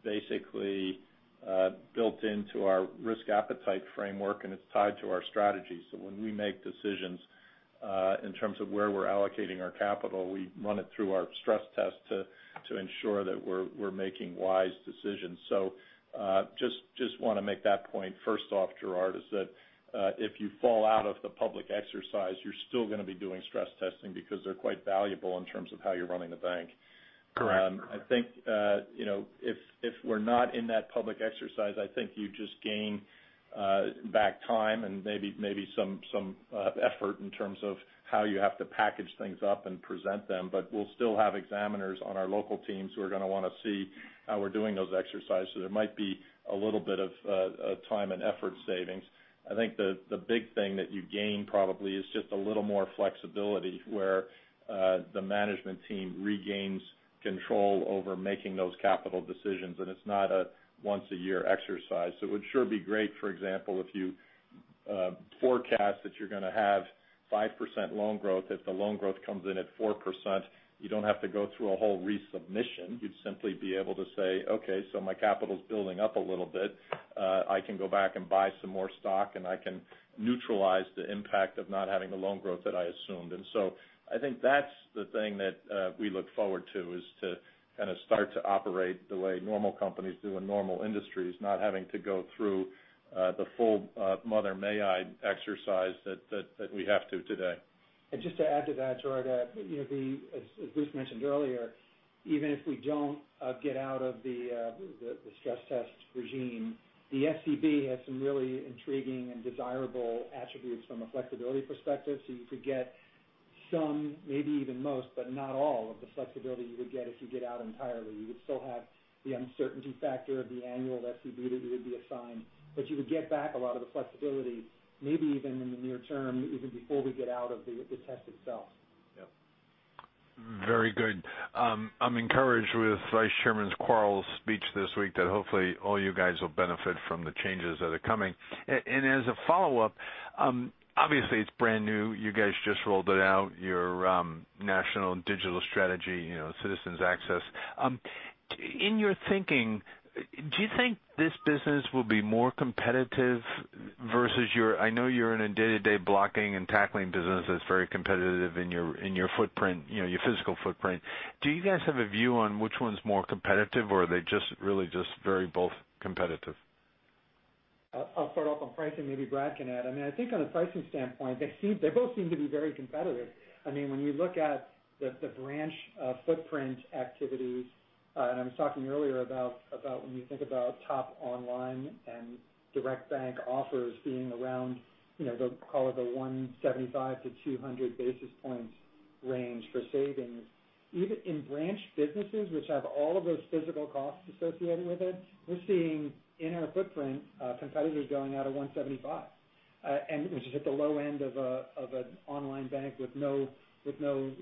basically built into our risk appetite framework, and it's tied to our strategy. When we make decisions in terms of where we're allocating our capital, we run it through our stress test to ensure that we're making wise decisions. Just want to make that point first off, Gerard, is that if you fall out of the public exercise, you're still going to be doing stress testing because they're quite valuable in terms of how you're running the bank. Correct. I think if we're not in that public exercise, I think you just gain back time and maybe some effort in terms of how you have to package things up and present them. We'll still have examiners on our local teams who are going to want to see how we're doing those exercises. There might be a little bit of time and effort savings. I think the big thing that you gain probably is just a little more flexibility, where the management team regains control over making those capital decisions, and it's not a once-a-year exercise. It would sure be great, for example, if you forecast that you're going to have 5% loan growth. If the loan growth comes in at 4%, you don't have to go through a whole resubmission. You'd simply be able to say, "Okay, my capital's building up a little bit. I can go back and buy some more stock, and I can neutralize the impact of not having the loan growth that I assumed." I think that's the thing that we look forward to, is to kind of start to operate the way normal companies do in normal industries, not having to go through the full mother-may-I exercise that we have to today. Just to add to that, Gerard, as Bruce mentioned earlier, even if we don't get out of the stress test regime, the SCB has some really intriguing and desirable attributes from a flexibility perspective. You could get some, maybe even most, but not all of the flexibility you would get if you get out entirely. You would still have the uncertainty factor of the annual SCB that you would be assigned, but you would get back a lot of the flexibility, maybe even in the near term, even before we get out of the test itself. Yeah. Very good. I'm encouraged with Vice Chairman Quarles' speech this week that hopefully all you guys will benefit from the changes that are coming. As a follow-up, obviously it's brand new. You guys just rolled it out, your national and digital strategy, Citizens Access. In your thinking, do you think this business will be more competitive versus I know you're in a day-to-day blocking and tackling business that's very competitive in your footprint, your physical footprint. Do you guys have a view on which one's more competitive, or are they just really just very both competitive? I'll start off on pricing, maybe Brad can add. I think on a pricing standpoint, they both seem to be very competitive. When you look at the branch footprint activities, I was talking earlier about when you think about top online and direct bank offers being around, they'll call it the 175 to 200 basis points range for savings. Even in branch businesses, which have all of those physical costs associated with it, we're seeing in our footprint, competitors going out of 175, which is at the low end of an online bank with no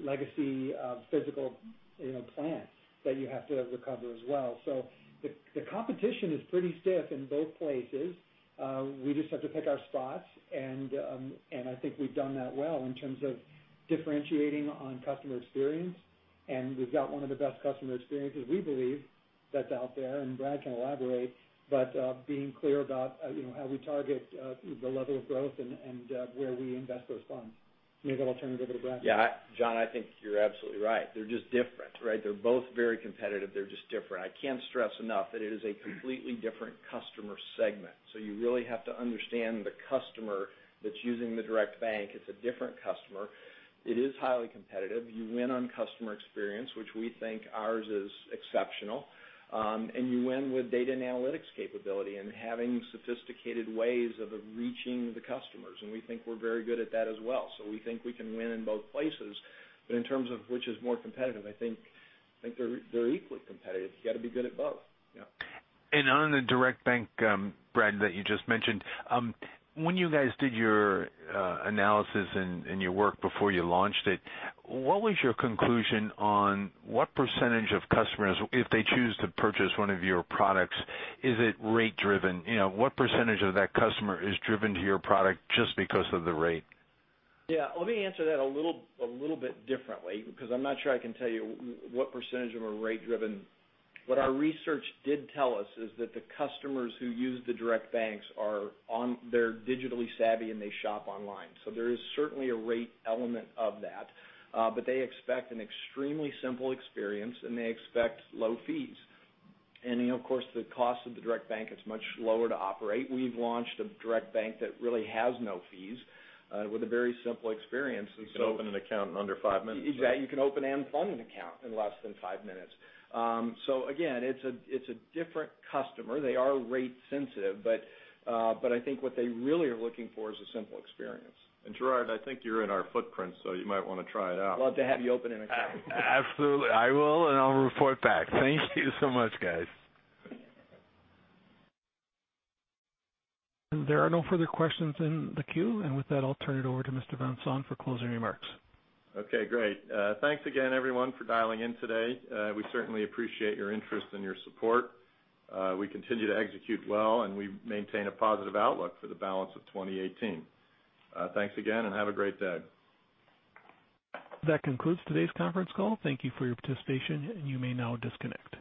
legacy physical plans that you have to recover as well. The competition is pretty stiff in both places. We just have to pick our spots, I think we've done that well in terms of differentiating on customer experience, we've got one of the best customer experiences, we believe, that's out there, Brad can elaborate, but being clear about how we target the level of growth and where we invest those funds. Maybe I'll turn it over to Brad. Yeah. John, I think you're absolutely right. They're just different, right? They're both very competitive. They're just different. I can't stress enough that it is a completely different customer segment. You really have to understand the customer that's using the direct bank. It's a different customer. It is highly competitive. You win on customer experience, which we think ours is exceptional. You win with data and analytics capability and having sophisticated ways of reaching the customers. We think we're very good at that as well. We think we can win in both places. In terms of which is more competitive, I think they're equally competitive. You got to be good at both. Yeah. On the direct bank, Brad, that you just mentioned, when you guys did your analysis and your work before you launched it, what was your conclusion on what % of customers, if they choose to purchase one of your products, is it rate driven? What % of that customer is driven to your product just because of the rate? Yeah. Let me answer that a little bit differently because I'm not sure I can tell you what % of them are rate driven. What our research did tell us is that the customers who use the direct banks, they're digitally savvy, and they shop online. There is certainly a rate element of that. They expect an extremely simple experience, and they expect low fees. Of course, the cost of the direct bank is much lower to operate. We've launched a direct bank that really has no fees with a very simple experience. You can open an account in under five minutes. Yeah, you can open and fund an account in less than five minutes. Again, it's a different customer. They are rate sensitive, I think what they really are looking for is a simple experience. Gerard, I think you're in our footprint, you might want to try it out. Love to have you open an account. Absolutely. I will, I'll report back. Thank you so much, guys. There are no further questions in the queue. With that, I'll turn it over to Mr. Van Saun for closing remarks. Okay, great. Thanks again, everyone, for dialing in today. We certainly appreciate your interest and your support. We continue to execute well, and we maintain a positive outlook for the balance of 2018. Thanks again, and have a great day. That concludes today's conference call. Thank you for your participation, and you may now disconnect.